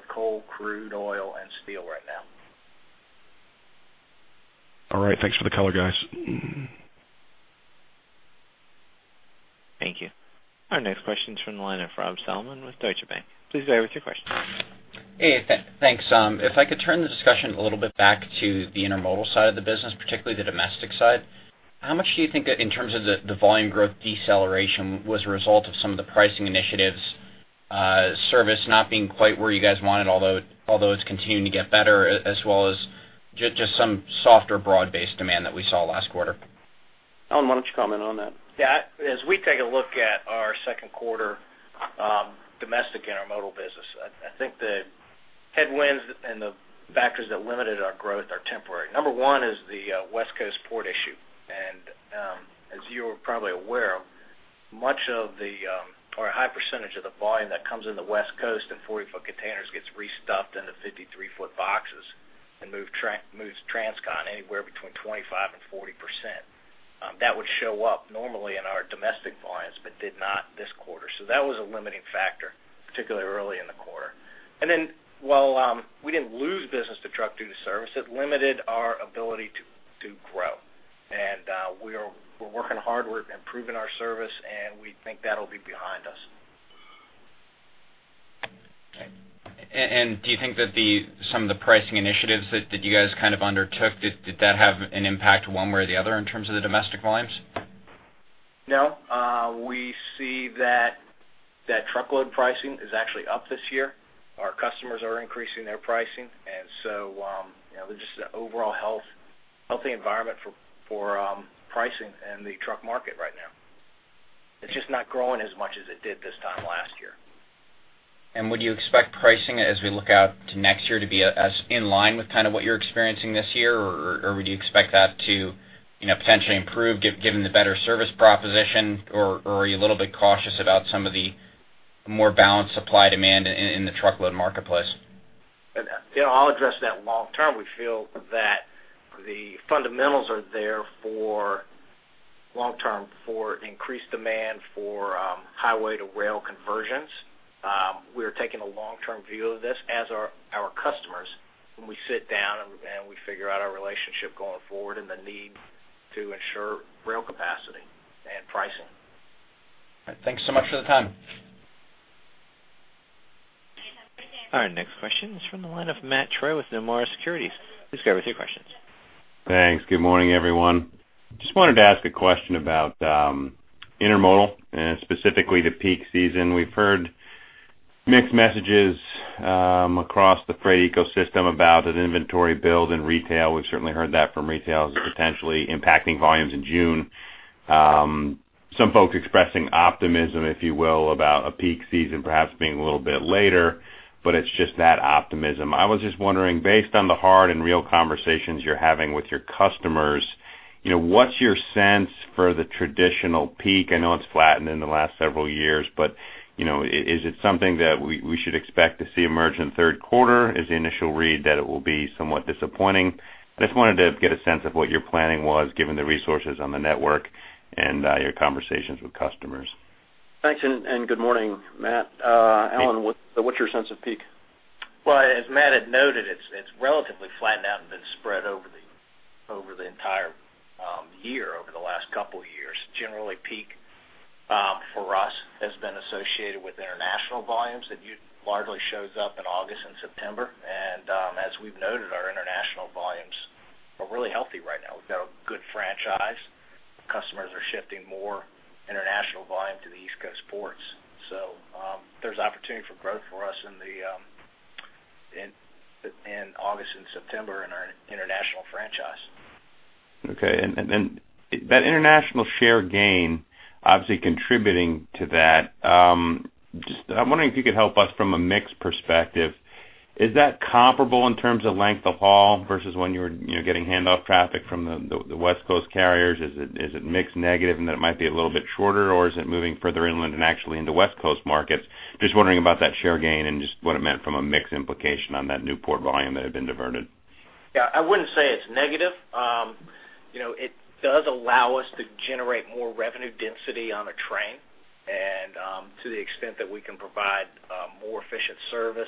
coal, crude oil, and steel right now. All right. Thanks for the color, guys. Thank you. Our next question's from the line of Rob Salmon with Deutsche Bank. Please go ahead with your question. Hey, thanks. If I could turn the discussion a little bit back to the intermodal side of the business, particularly the domestic side, how much do you think that in terms of the volume growth deceleration was a result of some of the pricing initiatives, service not being quite where you guys wanted, although it's continuing to get better, as well as just some softer broad-based demand that we saw last quarter? Alan, why don't you comment on that? Yeah. As we take a look at our second quarter domestic intermodal business, I think the headwinds and the factors that limited our growth are temporary. Number one is the West Coast port issue. As you are probably aware, a high percentage of the volume that comes in the West Coast in 40-foot containers gets restuffed into 53-foot boxes and moves transcon, anywhere between 25% and 40%. That would show up normally in our domestic volumes, but did not this quarter. That was a limiting factor, particularly early in the quarter. While we didn't lose business to truck due to service, it limited our ability to grow. We're working hard. We're improving our service, and we think that'll be behind us. Okay. Do you think that some of the pricing initiatives that you guys kind of undertook, did that have an impact one way or the other in terms of the domestic volumes? No. We see that truckload pricing is actually up this year. Our customers are increasing their pricing. There's just an overall healthy environment for pricing in the truck market right now. It's just not growing as much as it did this time last year. Would you expect pricing as we look out to next year to be as in line with kind of what you're experiencing this year? Would you expect that to potentially improve given the better service proposition? Are you a little bit cautious about some of the more balanced supply-demand in the truckload marketplace? Yeah, I'll address that long term. We feel that the fundamentals are there long term for increased demand for highway to rail conversions. We are taking a long-term view of this, as are our customers when we sit down, and we figure out our relationship going forward and the need to ensure rail capacity and pricing. All right. Thanks so much for the time. Our next question is from the line of Matt Troy with Nomura Securities. Please go ahead with your questions. Thanks. Good morning, everyone. Just wanted to ask a question about intermodal and specifically the peak season. We've heard mixed messages across the freight ecosystem about an inventory build in retail. We've certainly heard that from retail as potentially impacting volumes in June. Some folks expressing optimism, if you will, about a peak season perhaps being a little bit later, but it's just that optimism. I was just wondering, based on the hard and real conversations you're having with your customers, what's your sense for the traditional peak? I know it's flattened in the last several years, but is it something that we should expect to see emerge in the third quarter? Is the initial read that it will be somewhat disappointing? I just wanted to get a sense of what your planning was given the resources on the network and your conversations with customers. Thanks, good morning, Matt. Alan, what's your sense of peak? Well, as Matt had noted, it's relatively flattened out and been spread over the entire year, over the last couple of years. Generally, peak for us has been associated with international volumes that largely shows up in August and September. As we've noted, our international volumes are really healthy right now. We've got a good franchise. Customers are shifting more international volume to the East Coast ports. There's opportunity for growth for us in August and September in our international franchise. Okay. That international share gain obviously contributing to that, just I'm wondering if you could help us from a mix perspective. Is that comparable in terms of length of haul versus when you're getting handoff traffic from the West Coast carriers? Is it mixed negative in that it might be a little bit shorter, or is it moving further inland and actually into West Coast markets? Just wondering about that share gain and just what it meant from a mix implication on that Newport volume that had been diverted. Yeah, I wouldn't say it's negative. It does allow us to generate more revenue density on a train. To the extent that we can provide more efficient service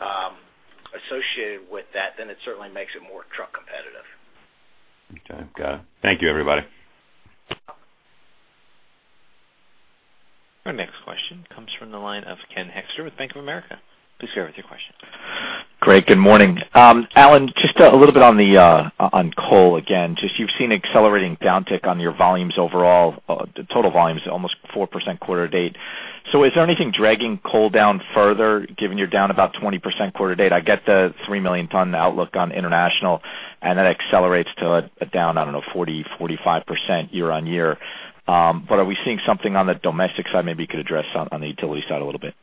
associated with that, it certainly makes it more truck competitive. Okay, got it. Thank you everybody. Our next question comes from the line of Ken Hoexter with Bank of America. Please go ahead with your question. Great. Good morning. Alan, just a little bit on coal again. You've seen accelerating downtick on your volumes overall, the total volume is almost 4% quarter to date. Is there anything dragging coal down further, given you're down about 20% quarter to date? I get the 3 million tons outlook on international, that accelerates to a down, I don't know, 40%-45% year-on-year. Are we seeing something on the domestic side maybe you could address on the utility side a little bit?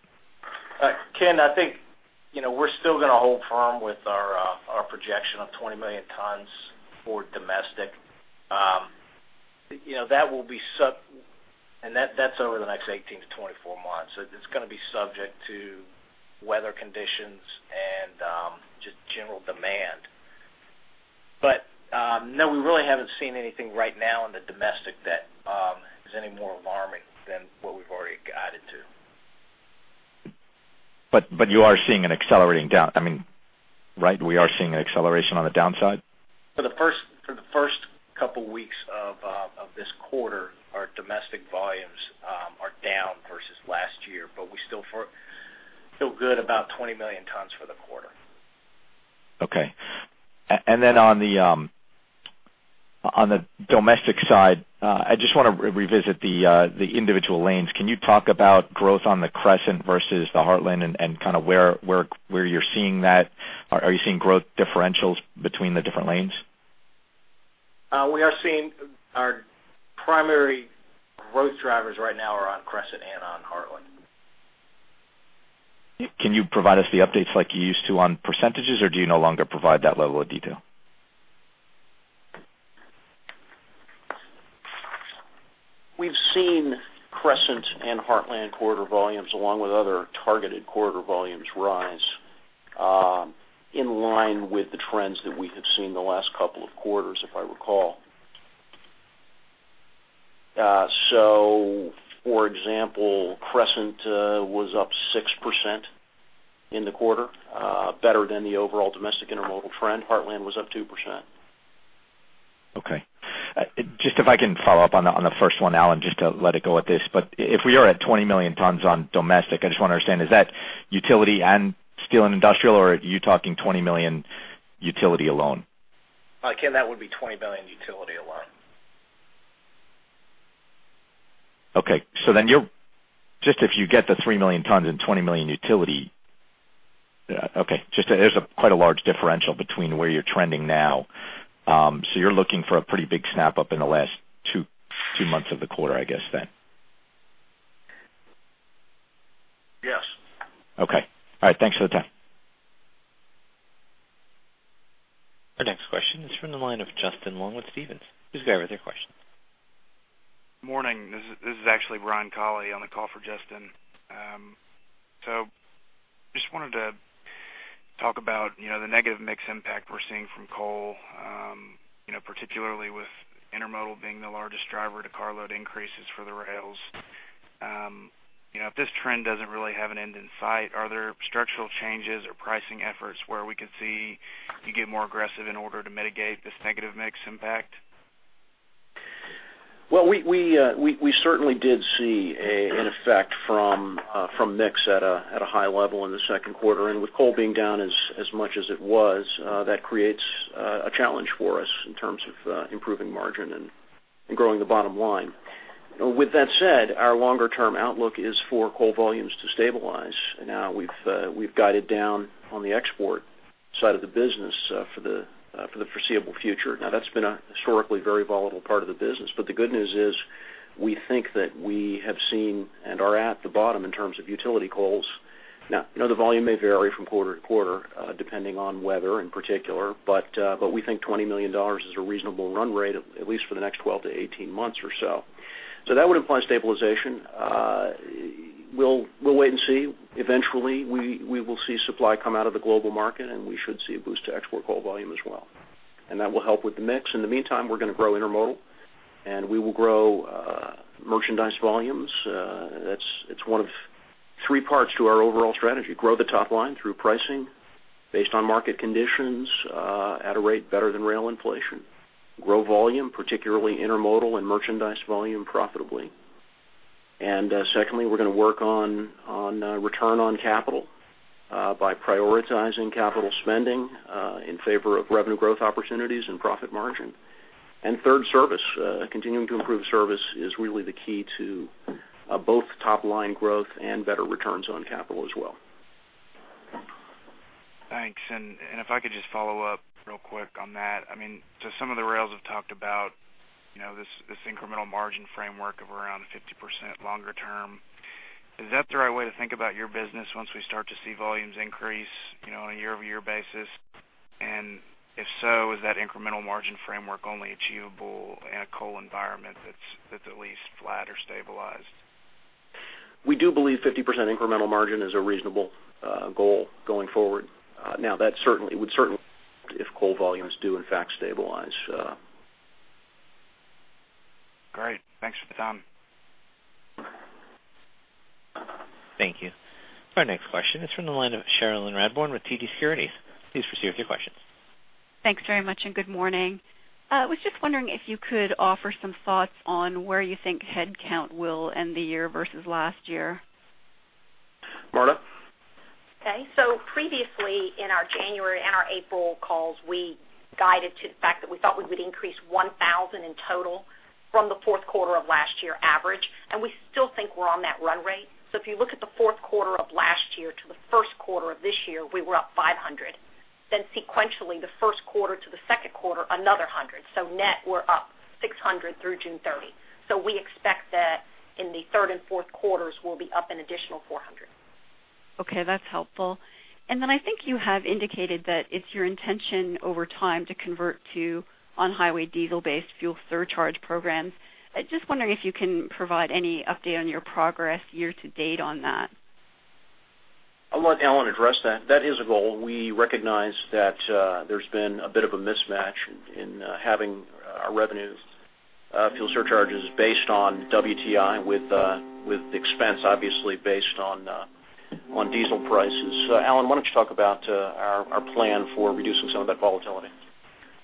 Ken, I think we're still going to hold firm with our projection of 20 million tons for domestic. That's over the next 18-24 months. It's going to be subject to weather conditions and just general demand. No, we really haven't seen anything right now in the domestic that is any more alarming than what we've already guided to. You are seeing an accelerating down. Right, we are seeing an acceleration on the downside? For the first couple of weeks of this quarter, our domestic volumes are down versus last year, but we still feel good about 20 million tons for the quarter. Okay. On the domestic side, I just want to revisit the individual lanes. Can you talk about growth on the Crescent versus the Heartland and where you're seeing that? Are you seeing growth differentials between the different lanes? We are seeing our primary growth drivers right now are on Crescent and on Heartland. Can you provide us the updates like you used to on %s, or do you no longer provide that level of detail? We've seen Crescent and Heartland volumes, along with other targeted corridor volumes, rise in line with the trends that we have seen the last couple of quarters, if I recall. For example, Crescent was up 6% in the quarter, better than the overall domestic intermodal trend. Heartland was up 2%. Okay. Just if I can follow up on the first one, Alan, just to let it go at this. If we are at 20 million tons on domestic, I just want to understand, is that utility and steel and industrial, or are you talking 20 million utility alone? Ken, that would be 20 million utility alone. Okay. Just if you get the 3 million tons and 20 million utility. There's quite a large differential between where you're trending now. You're looking for a pretty big snap-up in the last 2 months of the quarter, I guess then. Yes. Okay. All right. Thanks for the time. Our next question is from the line of Justin Long with Stephens. Please go ahead with your question. Morning. This is actually Brian Collie on the call for Justin. Just wanted to talk about the negative mix impact we're seeing from coal, particularly with intermodal being the largest driver to carload increases for the rails. If this trend doesn't really have an end in sight, are there structural changes or pricing efforts where we could see you get more aggressive in order to mitigate this negative mix impact? Well, we certainly did see an effect from mix at a high level in the second quarter. With coal being down as much as it was, that creates a challenge for us in terms of improving margin and growing the bottom line. With that said, our longer term outlook is for coal volumes to stabilize. We've guided down on the export side of the business for the foreseeable future. That's been a historically very volatile part of the business. The good news is we think that we have seen and are at the bottom in terms of utility coals. The volume may vary from quarter to quarter, depending on weather in particular. But we think 20 million tons is a reasonable run rate, at least for the next 12 to 18 months or so. That would imply stabilization. We'll wait and see. Eventually, we will see supply come out of the global market, and we should see a boost to export coal volume as well. That will help with the mix. In the meantime, we're going to grow intermodal, and we will grow merchandise volumes. It's one of three parts to our overall strategy. Grow the top line through pricing based on market conditions at a rate better than rail inflation. Grow volume, particularly intermodal and merchandise volume, profitably. Secondly, we're going to work on return on capital by prioritizing capital spending in favor of revenue growth opportunities and profit margin. Third, service. Continuing to improve service is really the key to both top-line growth and better returns on capital as well. Thanks. If I could just follow up real quick on that. Some of the rails have talked about this incremental margin framework of around 50% longer term. Is that the right way to think about your business once we start to see volumes increase on a year-over-year basis? If so, is that incremental margin framework only achievable in a coal environment that's at least flat or stabilized? We do believe 50% incremental margin is a reasonable goal going forward. That would certainly if coal volumes do in fact stabilize. Great. Thanks for the time. Thank you. Our next question is from the line of Cherilyn Radbourne with TD Securities. Please proceed with your question. Thanks very much. Good morning. I was just wondering if you could offer some thoughts on where you think headcount will end the year versus last year. Marta? Okay. Previously in our January and our April calls, we guided to the fact that we thought we would increase 1,000 in total from the fourth quarter of last year average, we still think we're on that run rate. If you look at the fourth quarter of last year to the first quarter of this year, we were up 500. Sequentially, the first quarter to the second quarter, another 100. Net, we're up 600 through June 30. We expect that in the third and fourth quarters, we'll be up an additional 400. Okay. That's helpful. I think you have indicated that it's your intention over time to convert to on-highway diesel-based fuel surcharge programs. I just wondering if you can provide any update on your progress year to date on that. I'll let Alan address that. That is a goal. We recognize that there's been a bit of a mismatch in having our revenues fuel surcharges based on WTI with the expense obviously based on diesel prices. Alan, why don't you talk about our plan for reducing some of that volatility? The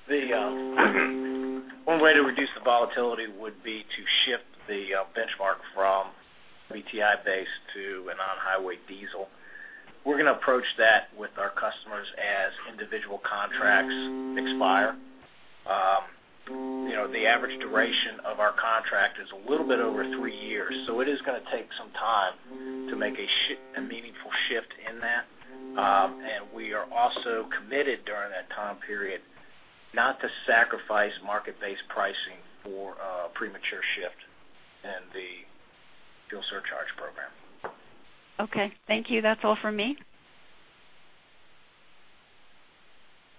one way to reduce the volatility would be to shift the benchmark from WTI-based to an on-highway diesel. We're going to approach that with our customers as individual contracts expire. The average duration of our contract is a little bit over three years, so it is going to take some time to make a meaningful shift in that. We are also committed during that time period not to sacrifice market-based pricing for a premature shift in the fuel surcharge program. Okay. Thank you. That's all for me.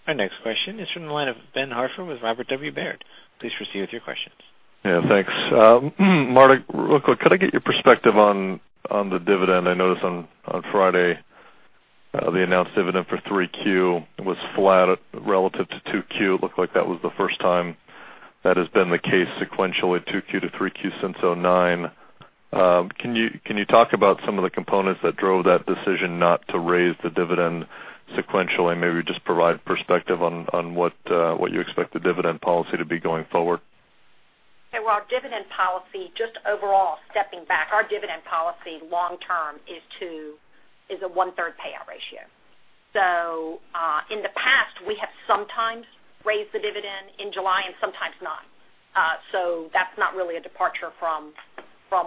Our next question is from the line of Ben Hartford with Robert W. Baird. Please proceed with your questions. Yeah, thanks. Marta, real quick, could I get your perspective on the dividend? I noticed on Friday, the announced dividend for 3Q was flat relative to 2Q. It looked like that was the first time that has been the case sequentially 2Q to 3Q since 2009. Can you talk about some of the components that drove that decision not to raise the dividend sequentially? Maybe just provide perspective on what you expect the dividend policy to be going forward. Okay. Well, our dividend policy, just overall stepping back, our dividend policy long term is a one-third payout ratio. In the past, we have sometimes raised the dividend in July and sometimes not. That's not really a departure from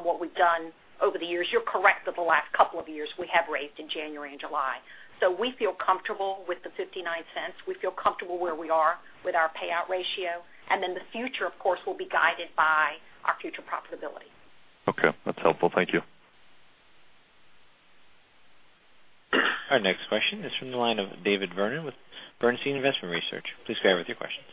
what we've done over the years. You're correct that the last couple of years, we have raised in January and July. We feel comfortable with the $0.59. We feel comfortable where we are with our payout ratio, the future, of course, will be guided by our future profitability. Okay. That's helpful. Thank you. Our next question is from the line of David Vernon with Bernstein Investment Research. Please go ahead with your questions.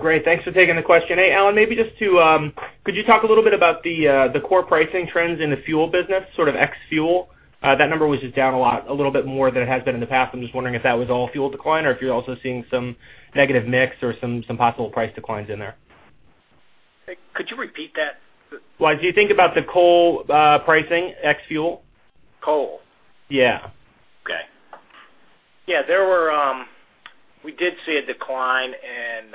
Great. Thanks for taking the question. Hey, Alan, maybe could you talk a little bit about the core pricing trends in the fuel business, sort of ex fuel? That number was just down a lot, a little bit more than it has been in the past. I'm just wondering if that was all fuel decline or if you're also seeing some negative mix or some possible price declines in there. Hey, could you repeat that? Well, as you think about the coal pricing ex fuel. Coal. Yeah. Okay. Yeah, we did see a decline in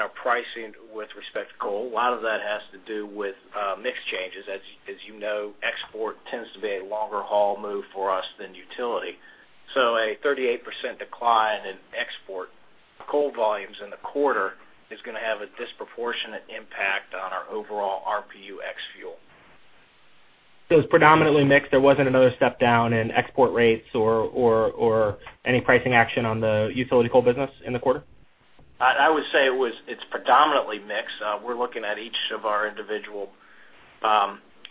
our pricing with respect to coal. A lot of that has to do with mix changes. As you know, export tends to be a longer haul move for us than utility. A 38% decline in export coal volumes in the quarter is going to have a disproportionate impact on our overall RPU ex fuel. It was predominantly mix. There wasn't another step down in export rates or any pricing action on the utility coal business in the quarter? I would say it's predominantly mix. We're looking at each of our individual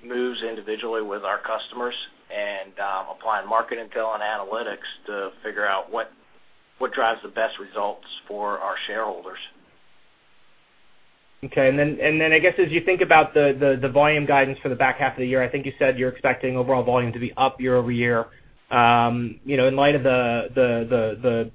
moves individually with our customers and applying market intel and analytics to figure out what drives the best results for our shareholders. Okay. I guess as you think about the volume guidance for the back half of the year, I think you said you're expecting overall volume to be up year-over-year. In light of the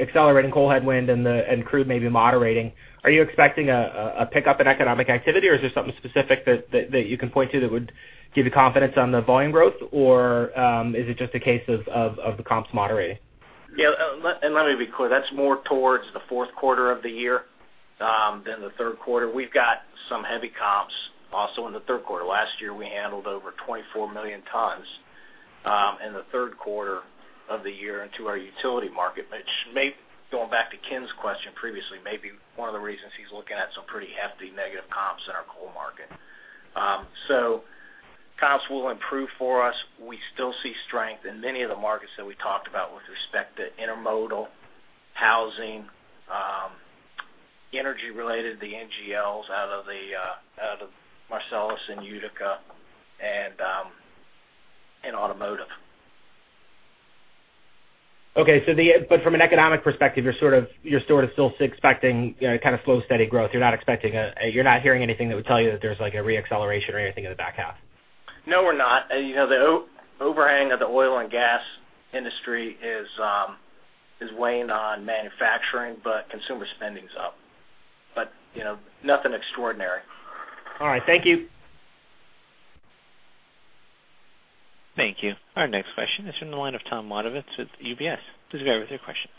accelerating coal headwind and crude maybe moderating, are you expecting a pick-up in economic activity, or is there something specific that you can point to that would give you confidence on the volume growth, or is it just a case of the comps moderating? Yeah. Let me be clear, that's more towards the fourth quarter of the year than the third quarter. We've got some heavy comps also in the third quarter. Last year, we handled over 24 million tons in the third quarter of the year into our utility market, which going back to Ken's question previously, may be one of the reasons he's looking at some pretty hefty negative comps in our coal market. Comps will improve for us. We still see strength in many of the markets that we talked about with respect to intermodal, housing, energy related, the NGLs out of Marcellus and Utica, and automotive. Okay. From an economic perspective, you're sort of still expecting kind of slow, steady growth. You're not hearing anything that would tell you that there's a re-acceleration or anything in the back half? No, we're not. The overhang of the oil and gas industry is weighing on manufacturing, but consumer spending's up. Nothing extraordinary. All right. Thank you. Thank you. Our next question is from the line of Tom Wadewitz with UBS. Please go ahead with your questions.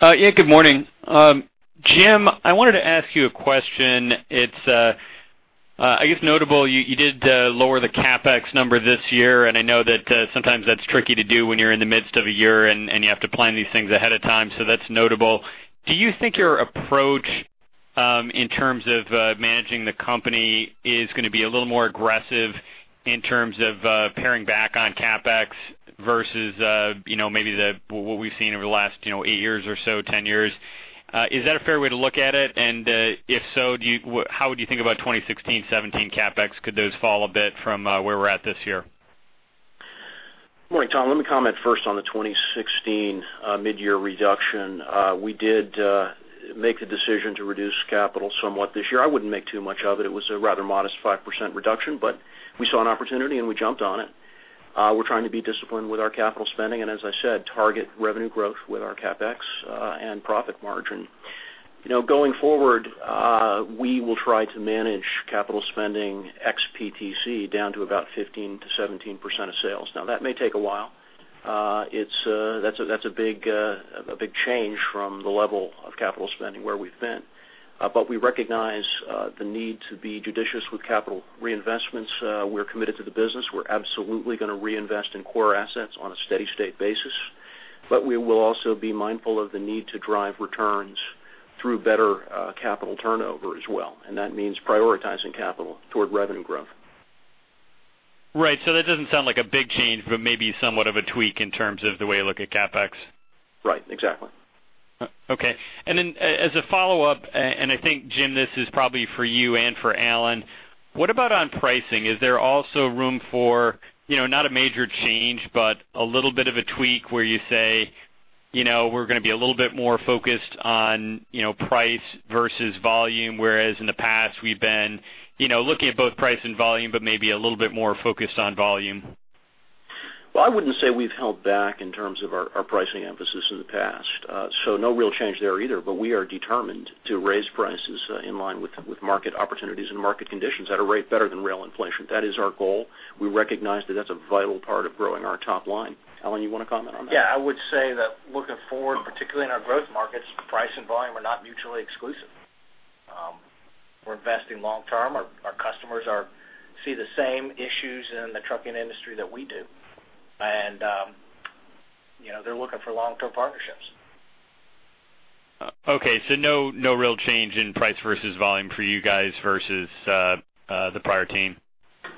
Yeah, good morning. Jim, I wanted to ask you a question. It's, I guess notable, you did lower the CapEx number this year, and I know that sometimes that's tricky to do when you're in the midst of a year, and you have to plan these things ahead of time, so that's notable. Do you think your approach, in terms of managing the company, is going to be a little more aggressive in terms of paring back on CapEx versus maybe what we've seen over the last eight years or so, 10 years? Is that a fair way to look at it? If so, how would you think about 2016, 2017 CapEx? Could those fall a bit from where we're at this year? Morning, Tom. Let me comment first on the 2016 midyear reduction. We did make the decision to reduce capital somewhat this year. I wouldn't make too much of it. It was a rather modest 5% reduction, but we saw an opportunity, and we jumped on it. We're trying to be disciplined with our capital spending and, as I said, target revenue growth with our CapEx and profit margin. Going forward, we will try to manage capital spending ex PTC down to about 15%-17% of sales. That may take a while. That's a big change from the level of capital spending where we've been. We recognize the need to be judicious with capital reinvestments. We're committed to the business. We're absolutely going to reinvest in core assets on a steady-state basis. We will also be mindful of the need to drive returns through better capital turnover as well, and that means prioritizing capital toward revenue growth. Right. That doesn't sound like a big change, but maybe somewhat of a tweak in terms of the way you look at CapEx. Right, exactly. Okay. As a follow-up, I think, Jim, this is probably for you and for Alan, what about on pricing? Is there also room for not a major change, but a little bit of a tweak where you say we're going to be a little bit more focused on price versus volume, whereas in the past we've been looking at both price and volume, but maybe a little bit more focused on volume? Well, I wouldn't say we've held back in terms of our pricing emphasis in the past. No real change there either. We are determined to raise prices in line with market opportunities and market conditions at a rate better than rail inflation. That is our goal. We recognize that that's a vital part of growing our top line. Alan, you want to comment on that? I would say that looking forward, particularly in our growth markets, price and volume are not mutually exclusive. We're investing long term. Our customers see the same issues in the trucking industry that we do. They're looking for long-term partnerships. Okay, no real change in price versus volume for you guys versus the prior team.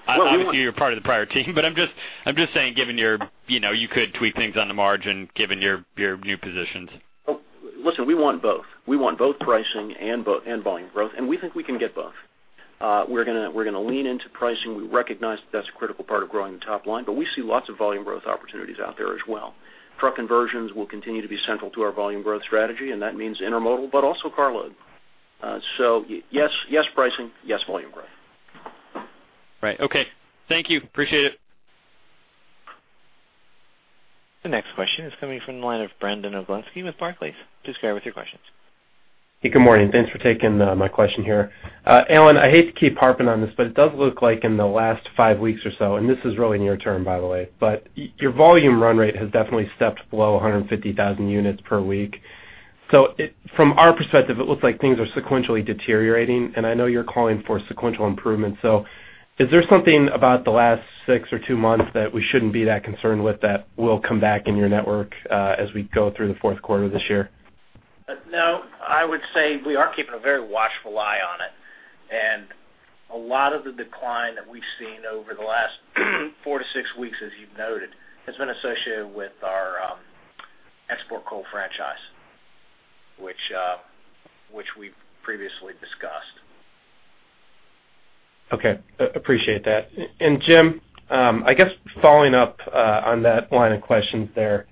Well, we Obviously, you're part of the prior team, I'm just saying, You could tweak things on the margin given your new positions. listen, we want both. We want both pricing and volume growth. We think we can get both. We're going to lean into pricing. We recognize that that's a critical part of growing the top line. We see lots of volume growth opportunities out there as well. Truck conversions will continue to be central to our volume growth strategy, and that means intermodal, but also cargo. Yes to pricing. Yes to volume growth. Right. Okay. Thank you. Appreciate it. The next question is coming from the line of Brandon Oglenski with Barclays. Please go ahead with your questions. Good morning. Thanks for taking my question here. Alan, I hate to keep harping on this. It does look like in the last five weeks or so. This is really near term, by the way. Your volume run rate has definitely stepped below 150,000 units per week. From our perspective, it looks like things are sequentially deteriorating. I know you're calling for sequential improvement. Is there something about the last six or two months that we shouldn't be that concerned with that will come back in your network as we go through the fourth quarter this year? No, I would say we are keeping a very watchful eye on it. A lot of the decline that we've seen over the last four to six weeks, as you've noted, has been associated with our export coal franchise, which we've previously discussed. Okay. Appreciate that. Jim, I guess following up on that line of questions there,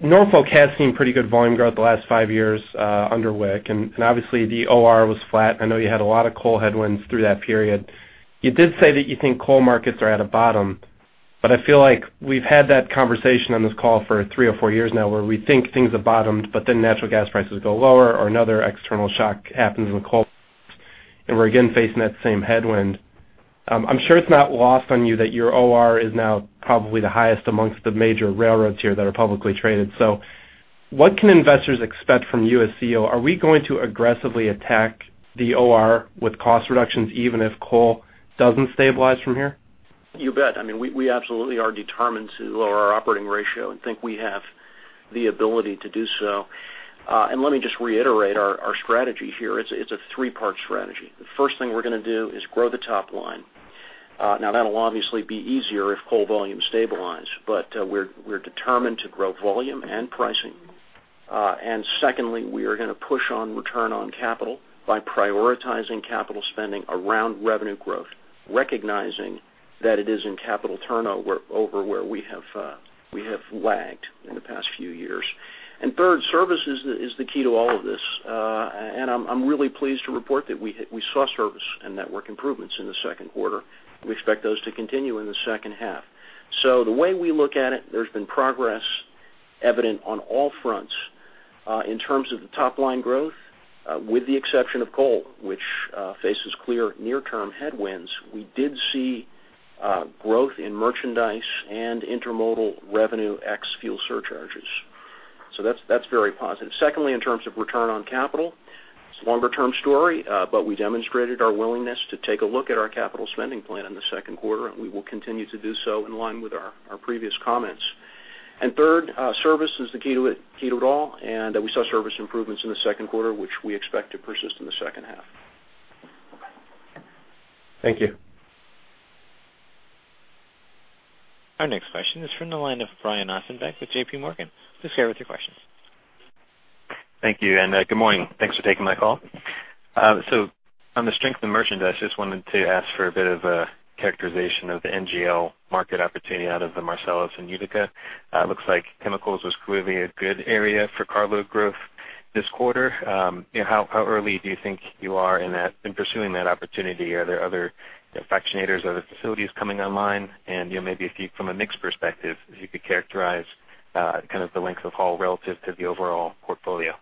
Norfolk has seen pretty good volume growth the last five years under Wick, and obviously the OR was flat. I know you had a lot of coal headwinds through that period. You did say that you think coal markets are at a bottom, but I feel like we've had that conversation on this call for three or four years now where we think things have bottomed, but then natural gas prices go lower or another external shock happens in the coal and we're again facing that same headwind. What can investors expect from you as CEO? Are we going to aggressively attack the OR with cost reductions even if coal doesn't stabilize from here? You bet. We absolutely are determined to lower our operating ratio and think we have the ability to do so. Let me just reiterate our strategy here. It's a three-part strategy. The first thing we're going to do is grow the top line. Now, that'll obviously be easier if coal volume stabilizes. We're determined to grow volume and pricing. Secondly, we are going to push on return on capital by prioritizing capital spending around revenue growth, recognizing that it is in capital turnover where we have lagged in the past few years. Third, service is the key to all of this. I'm really pleased to report that we saw service and network improvements in the second quarter, and we expect those to continue in the second half. The way we look at it, there's been progress evident on all fronts. In terms of the top-line growth, with the exception of coal, which faces clear near-term headwinds, we did see growth in merchandise and intermodal revenue ex fuel surcharges. That's very positive. Secondly, in terms of return on capital, it's a longer-term story, but we demonstrated our willingness to take a look at our capital spending plan in the second quarter, and we will continue to do so in line with our previous comments. Third, service is the key to it all, and we saw service improvements in the second quarter, which we expect to persist in the second half. Thank you. Our next question is from the line of Brian Ossenbeck with J.P. Morgan. Please go ahead with your questions. Thank you, good morning. Thanks for taking my call. On the strength of merchandise, just wanted to ask for a bit of a characterization of the NGL market opportunity out of the Marcellus and Utica. Looks like chemicals was clearly a good area for cargo growth this quarter. How early do you think you are in pursuing that opportunity? Are there other fractionators or other facilities coming online? Maybe from a mix perspective, if you could characterize kind of the length of haul relative to the overall portfolio.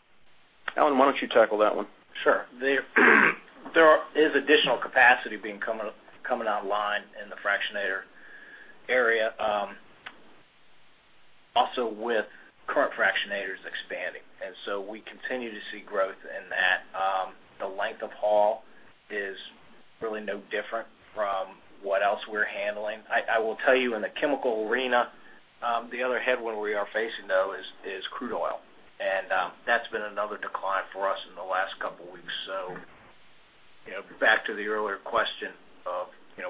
Alan, why don't you tackle that one? Sure. There is additional capacity coming online in the fractionator area, also with current fractionators expanding. We continue to see growth in that. The length of haul is really no different from what else we're handling. I will tell you in the chemical arena, the other headwind we are facing, though, is crude oil, and that's been another decline for us in the last couple weeks. Back to the earlier question of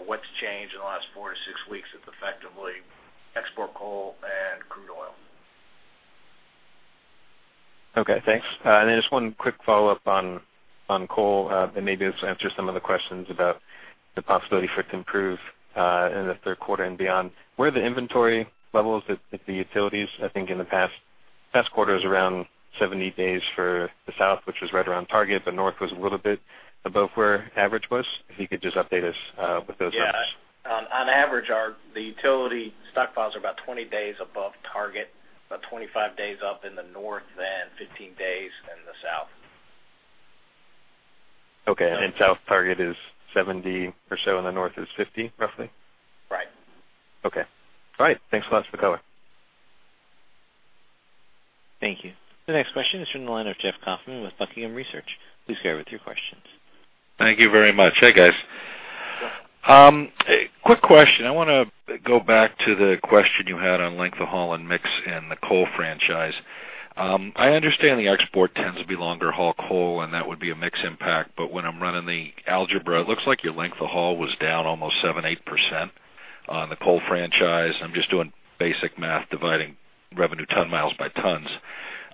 what's changed in the last four to six weeks is effectively export coal and crude oil. Okay, thanks. Just one quick follow-up on coal, and maybe this will answer some of the questions about the possibility for it to improve in the third quarter and beyond. Where are the inventory levels at the utilities? I think in the past quarter it was around 70 days for the South, which was right around target. The North was a little bit above where average was. If you could just update us with those numbers. Yeah. On average, the utility stockpiles are about 20 days above target, about 25 days up in the north and 15 days in the south. South target is 70 or so, and the North is 50, roughly? Right. Okay. All right. Thanks a lot for the color. Thank you. The next question is from the line of Jeff Kaufman with Buckingham Research. Please go ahead with your questions. Thank you very much. Hey, guys. A quick question. I want to go back to the question you had on length of haul and mix in the coal franchise. I understand the export tends to be longer haul coal, and that would be a mix impact, but when I'm running the algebra, it looks like your length of haul was down almost 7%, 8% on the coal franchise. I'm just doing basic math, dividing revenue ton miles by tons.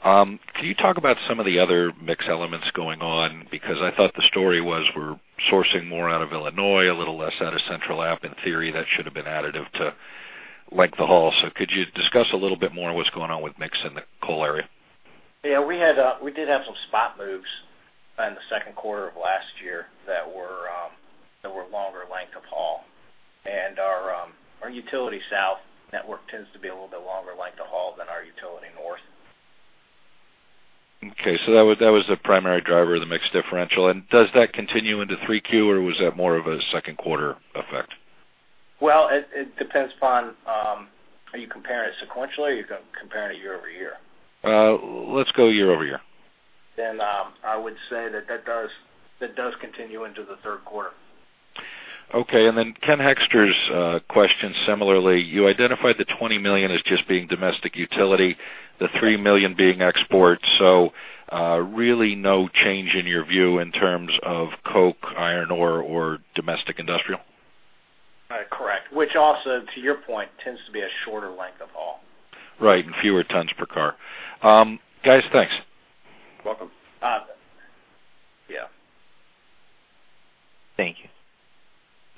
Can you talk about some of the other mix elements going on? Because I thought the story was we're sourcing more out of Illinois, a little less out of Central App. In theory, that should have been additive to length of haul. Could you discuss a little bit more what's going on with mix in the coal area? Yeah, we did have some spot moves in the second quarter of last year that were longer length of haul. Our Utility South network tends to be a little bit longer length of haul than our Utility North. Okay, that was the primary driver of the mix differential. Does that continue into 3Q or was that more of a second quarter effect? Well, it depends upon are you comparing it sequentially or are you comparing it year-over-year? Let's go year-over-year. I would say that that does continue into the third quarter. Okay, Ken Hoexter's question similarly, you identified the $20 million as just being domestic utility, the $3 million being export. Really no change in your view in terms of coke, iron ore, or domestic industrial? Correct. Which also, to your point, tends to be a shorter length of haul. Right, fewer tons per car. Guys, thanks. Welcome. Yeah. Thank you.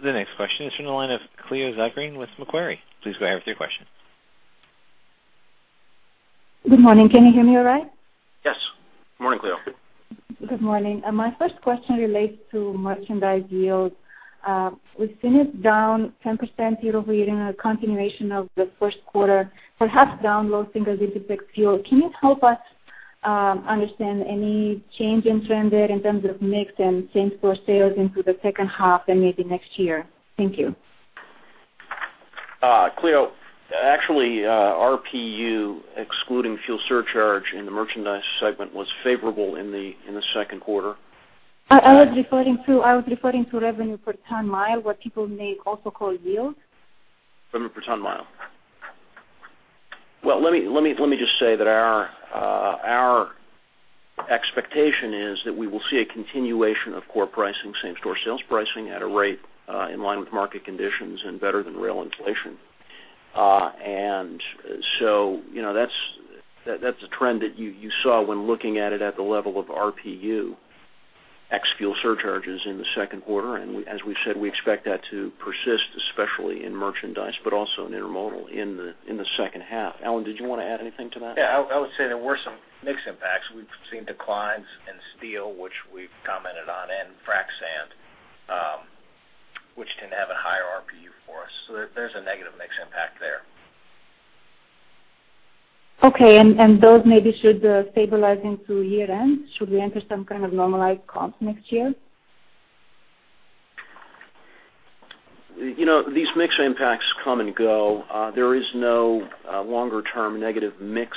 The next question is from the line of Cleo Zagflos with Macquarie. Please go ahead with your question. Good morning. Can you hear me all right? Yes. Morning, Cleo. Good morning. My first question relates to merchandise yields. We've seen it down 10% year-over-year in a continuation of the first quarter, perhaps down fuel. Can you help us understand any change in trend there in terms of mix and same store sales into the second half and maybe next year? Thank you. Cleo, actually, RPU, excluding fuel surcharge in the merchandise segment, was favorable in the second quarter. I was referring to revenue per ton mile, what people may also call yield. Revenue per ton mile. Well, let me just say that our expectation is that we will see a continuation of core pricing, same store sales pricing at a rate in line with market conditions and better than rail inflation. That's a trend that you saw when looking at it at the level of RPU ex fuel surcharges in the second quarter. As we said, we expect that to persist, especially in merchandise, but also in intermodal in the second half. Alan, did you want to add anything to that? Yeah, I would say there were some mix impacts. We've seen declines in steel, which we've commented on, and frac sand. Which tend to have a higher RPU for us. There's a negative mix impact there. Okay. Those maybe should stabilize into year end. Should we enter some kind of normalized comp next year? These mix impacts come and go. There is no longer-term negative mix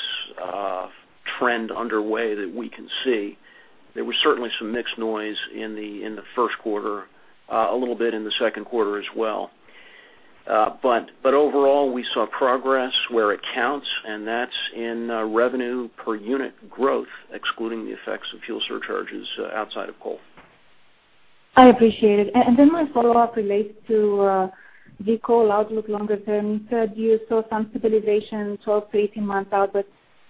trend underway that we can see. There was certainly some mix noise in the first quarter, a little bit in the second quarter as well. Overall, we saw progress where it counts, and that's in revenue per unit growth, excluding the effects of fuel surcharges outside of coal. I appreciate it. My follow-up relates to the coal outlook longer term. You said you saw some stabilization 12-18 months out,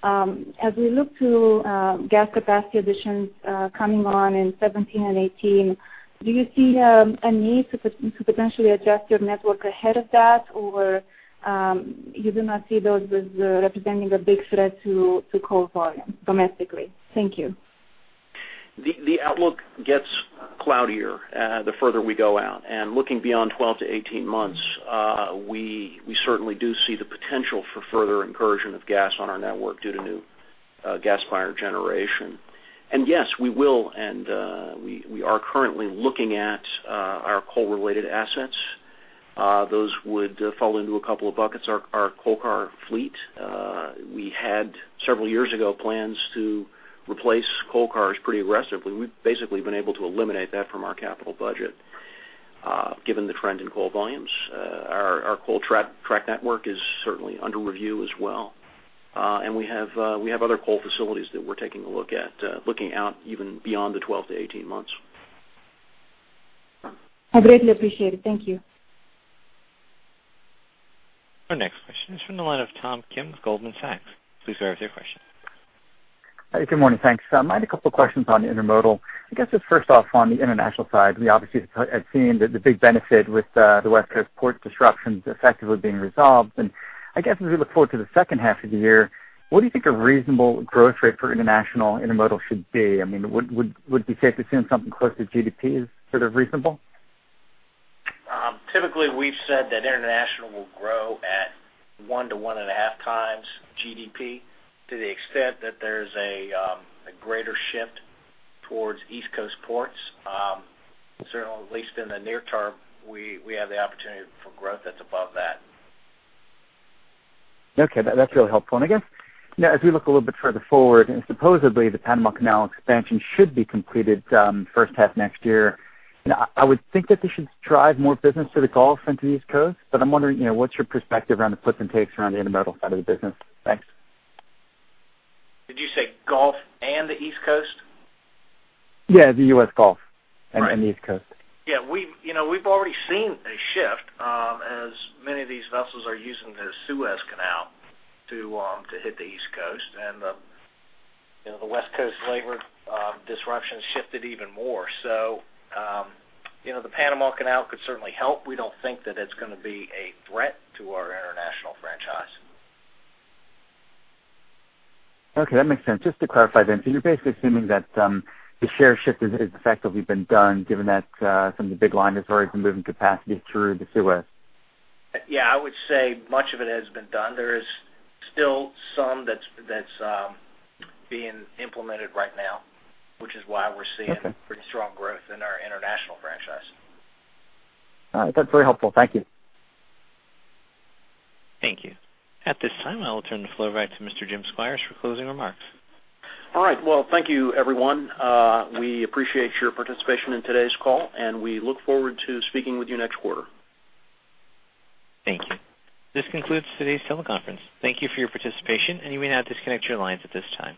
as we look to gas capacity additions coming on in 2017 and 2018, do you see a need to potentially adjust your network ahead of that? You do not see those as representing a big threat to coal volume domestically? Thank you. The outlook gets cloudier the further we go out. Looking beyond 12 to 18 months, we certainly do see the potential for further incursion of gas on our network due to new gas-fired generation. Yes, we will, and we are currently looking at our coal-related assets. Those would fall into a couple of buckets. Our coal car fleet. We had, several years ago, plans to replace coal cars pretty aggressively. We've basically been able to eliminate that from our capital budget given the trend in coal volumes. Our coal track network is certainly under review as well. We have other coal facilities that we're taking a look at, looking out even beyond the 12 to 18 months. I greatly appreciate it. Thank you. Our next question is from the line of Tom Kim with Goldman Sachs. Please go ahead with your question. Good morning. Thanks. I had a couple questions on intermodal. I guess just first off, on the international side, we obviously have seen the big benefit with the West Coast port disruptions effectively being resolved. I guess as we look forward to the second half of the year, what do you think a reasonable growth rate for international intermodal should be? Would it be safe assuming something close to GDP is sort of reasonable? Typically, we've said that international will grow at one to one and a half times GDP. To the extent that there's a greater shift towards East Coast ports, certainly at least in the near term, we have the opportunity for growth that's above that. Okay. That's really helpful. I guess as we look a little bit further forward, supposedly the Panama Canal expansion should be completed first half next year, I would think that this should drive more business to the Gulf than to the East Coast. I'm wondering what's your perspective around the gives and takes around the intermodal side of the business? Thanks. Did you say Gulf and the East Coast? Yeah, the U.S. Gulf and the East Coast. Yeah. We've already seen a shift as many of these vessels are using the Suez Canal to hit the East Coast. The West Coast labor disruptions shifted even more. The Panama Canal could certainly help. We don't think that it's going to be a threat to our international franchise. Okay. That makes sense. Just to clarify then, you're basically assuming that the share shift has effectively been done given that some of the big liners have already been moving capacity through the Suez? Yeah. I would say much of it has been done. There is still some that's being implemented right now, which is why we're seeing pretty strong growth in our international franchise. That's very helpful. Thank you. Thank you. At this time, I will turn the floor back to Mr. Jim Squires for closing remarks. All right. Well, thank you everyone. We appreciate your participation in today's call, and we look forward to speaking with you next quarter. Thank you. This concludes today's teleconference. Thank you for your participation, and you may now disconnect your lines at this time.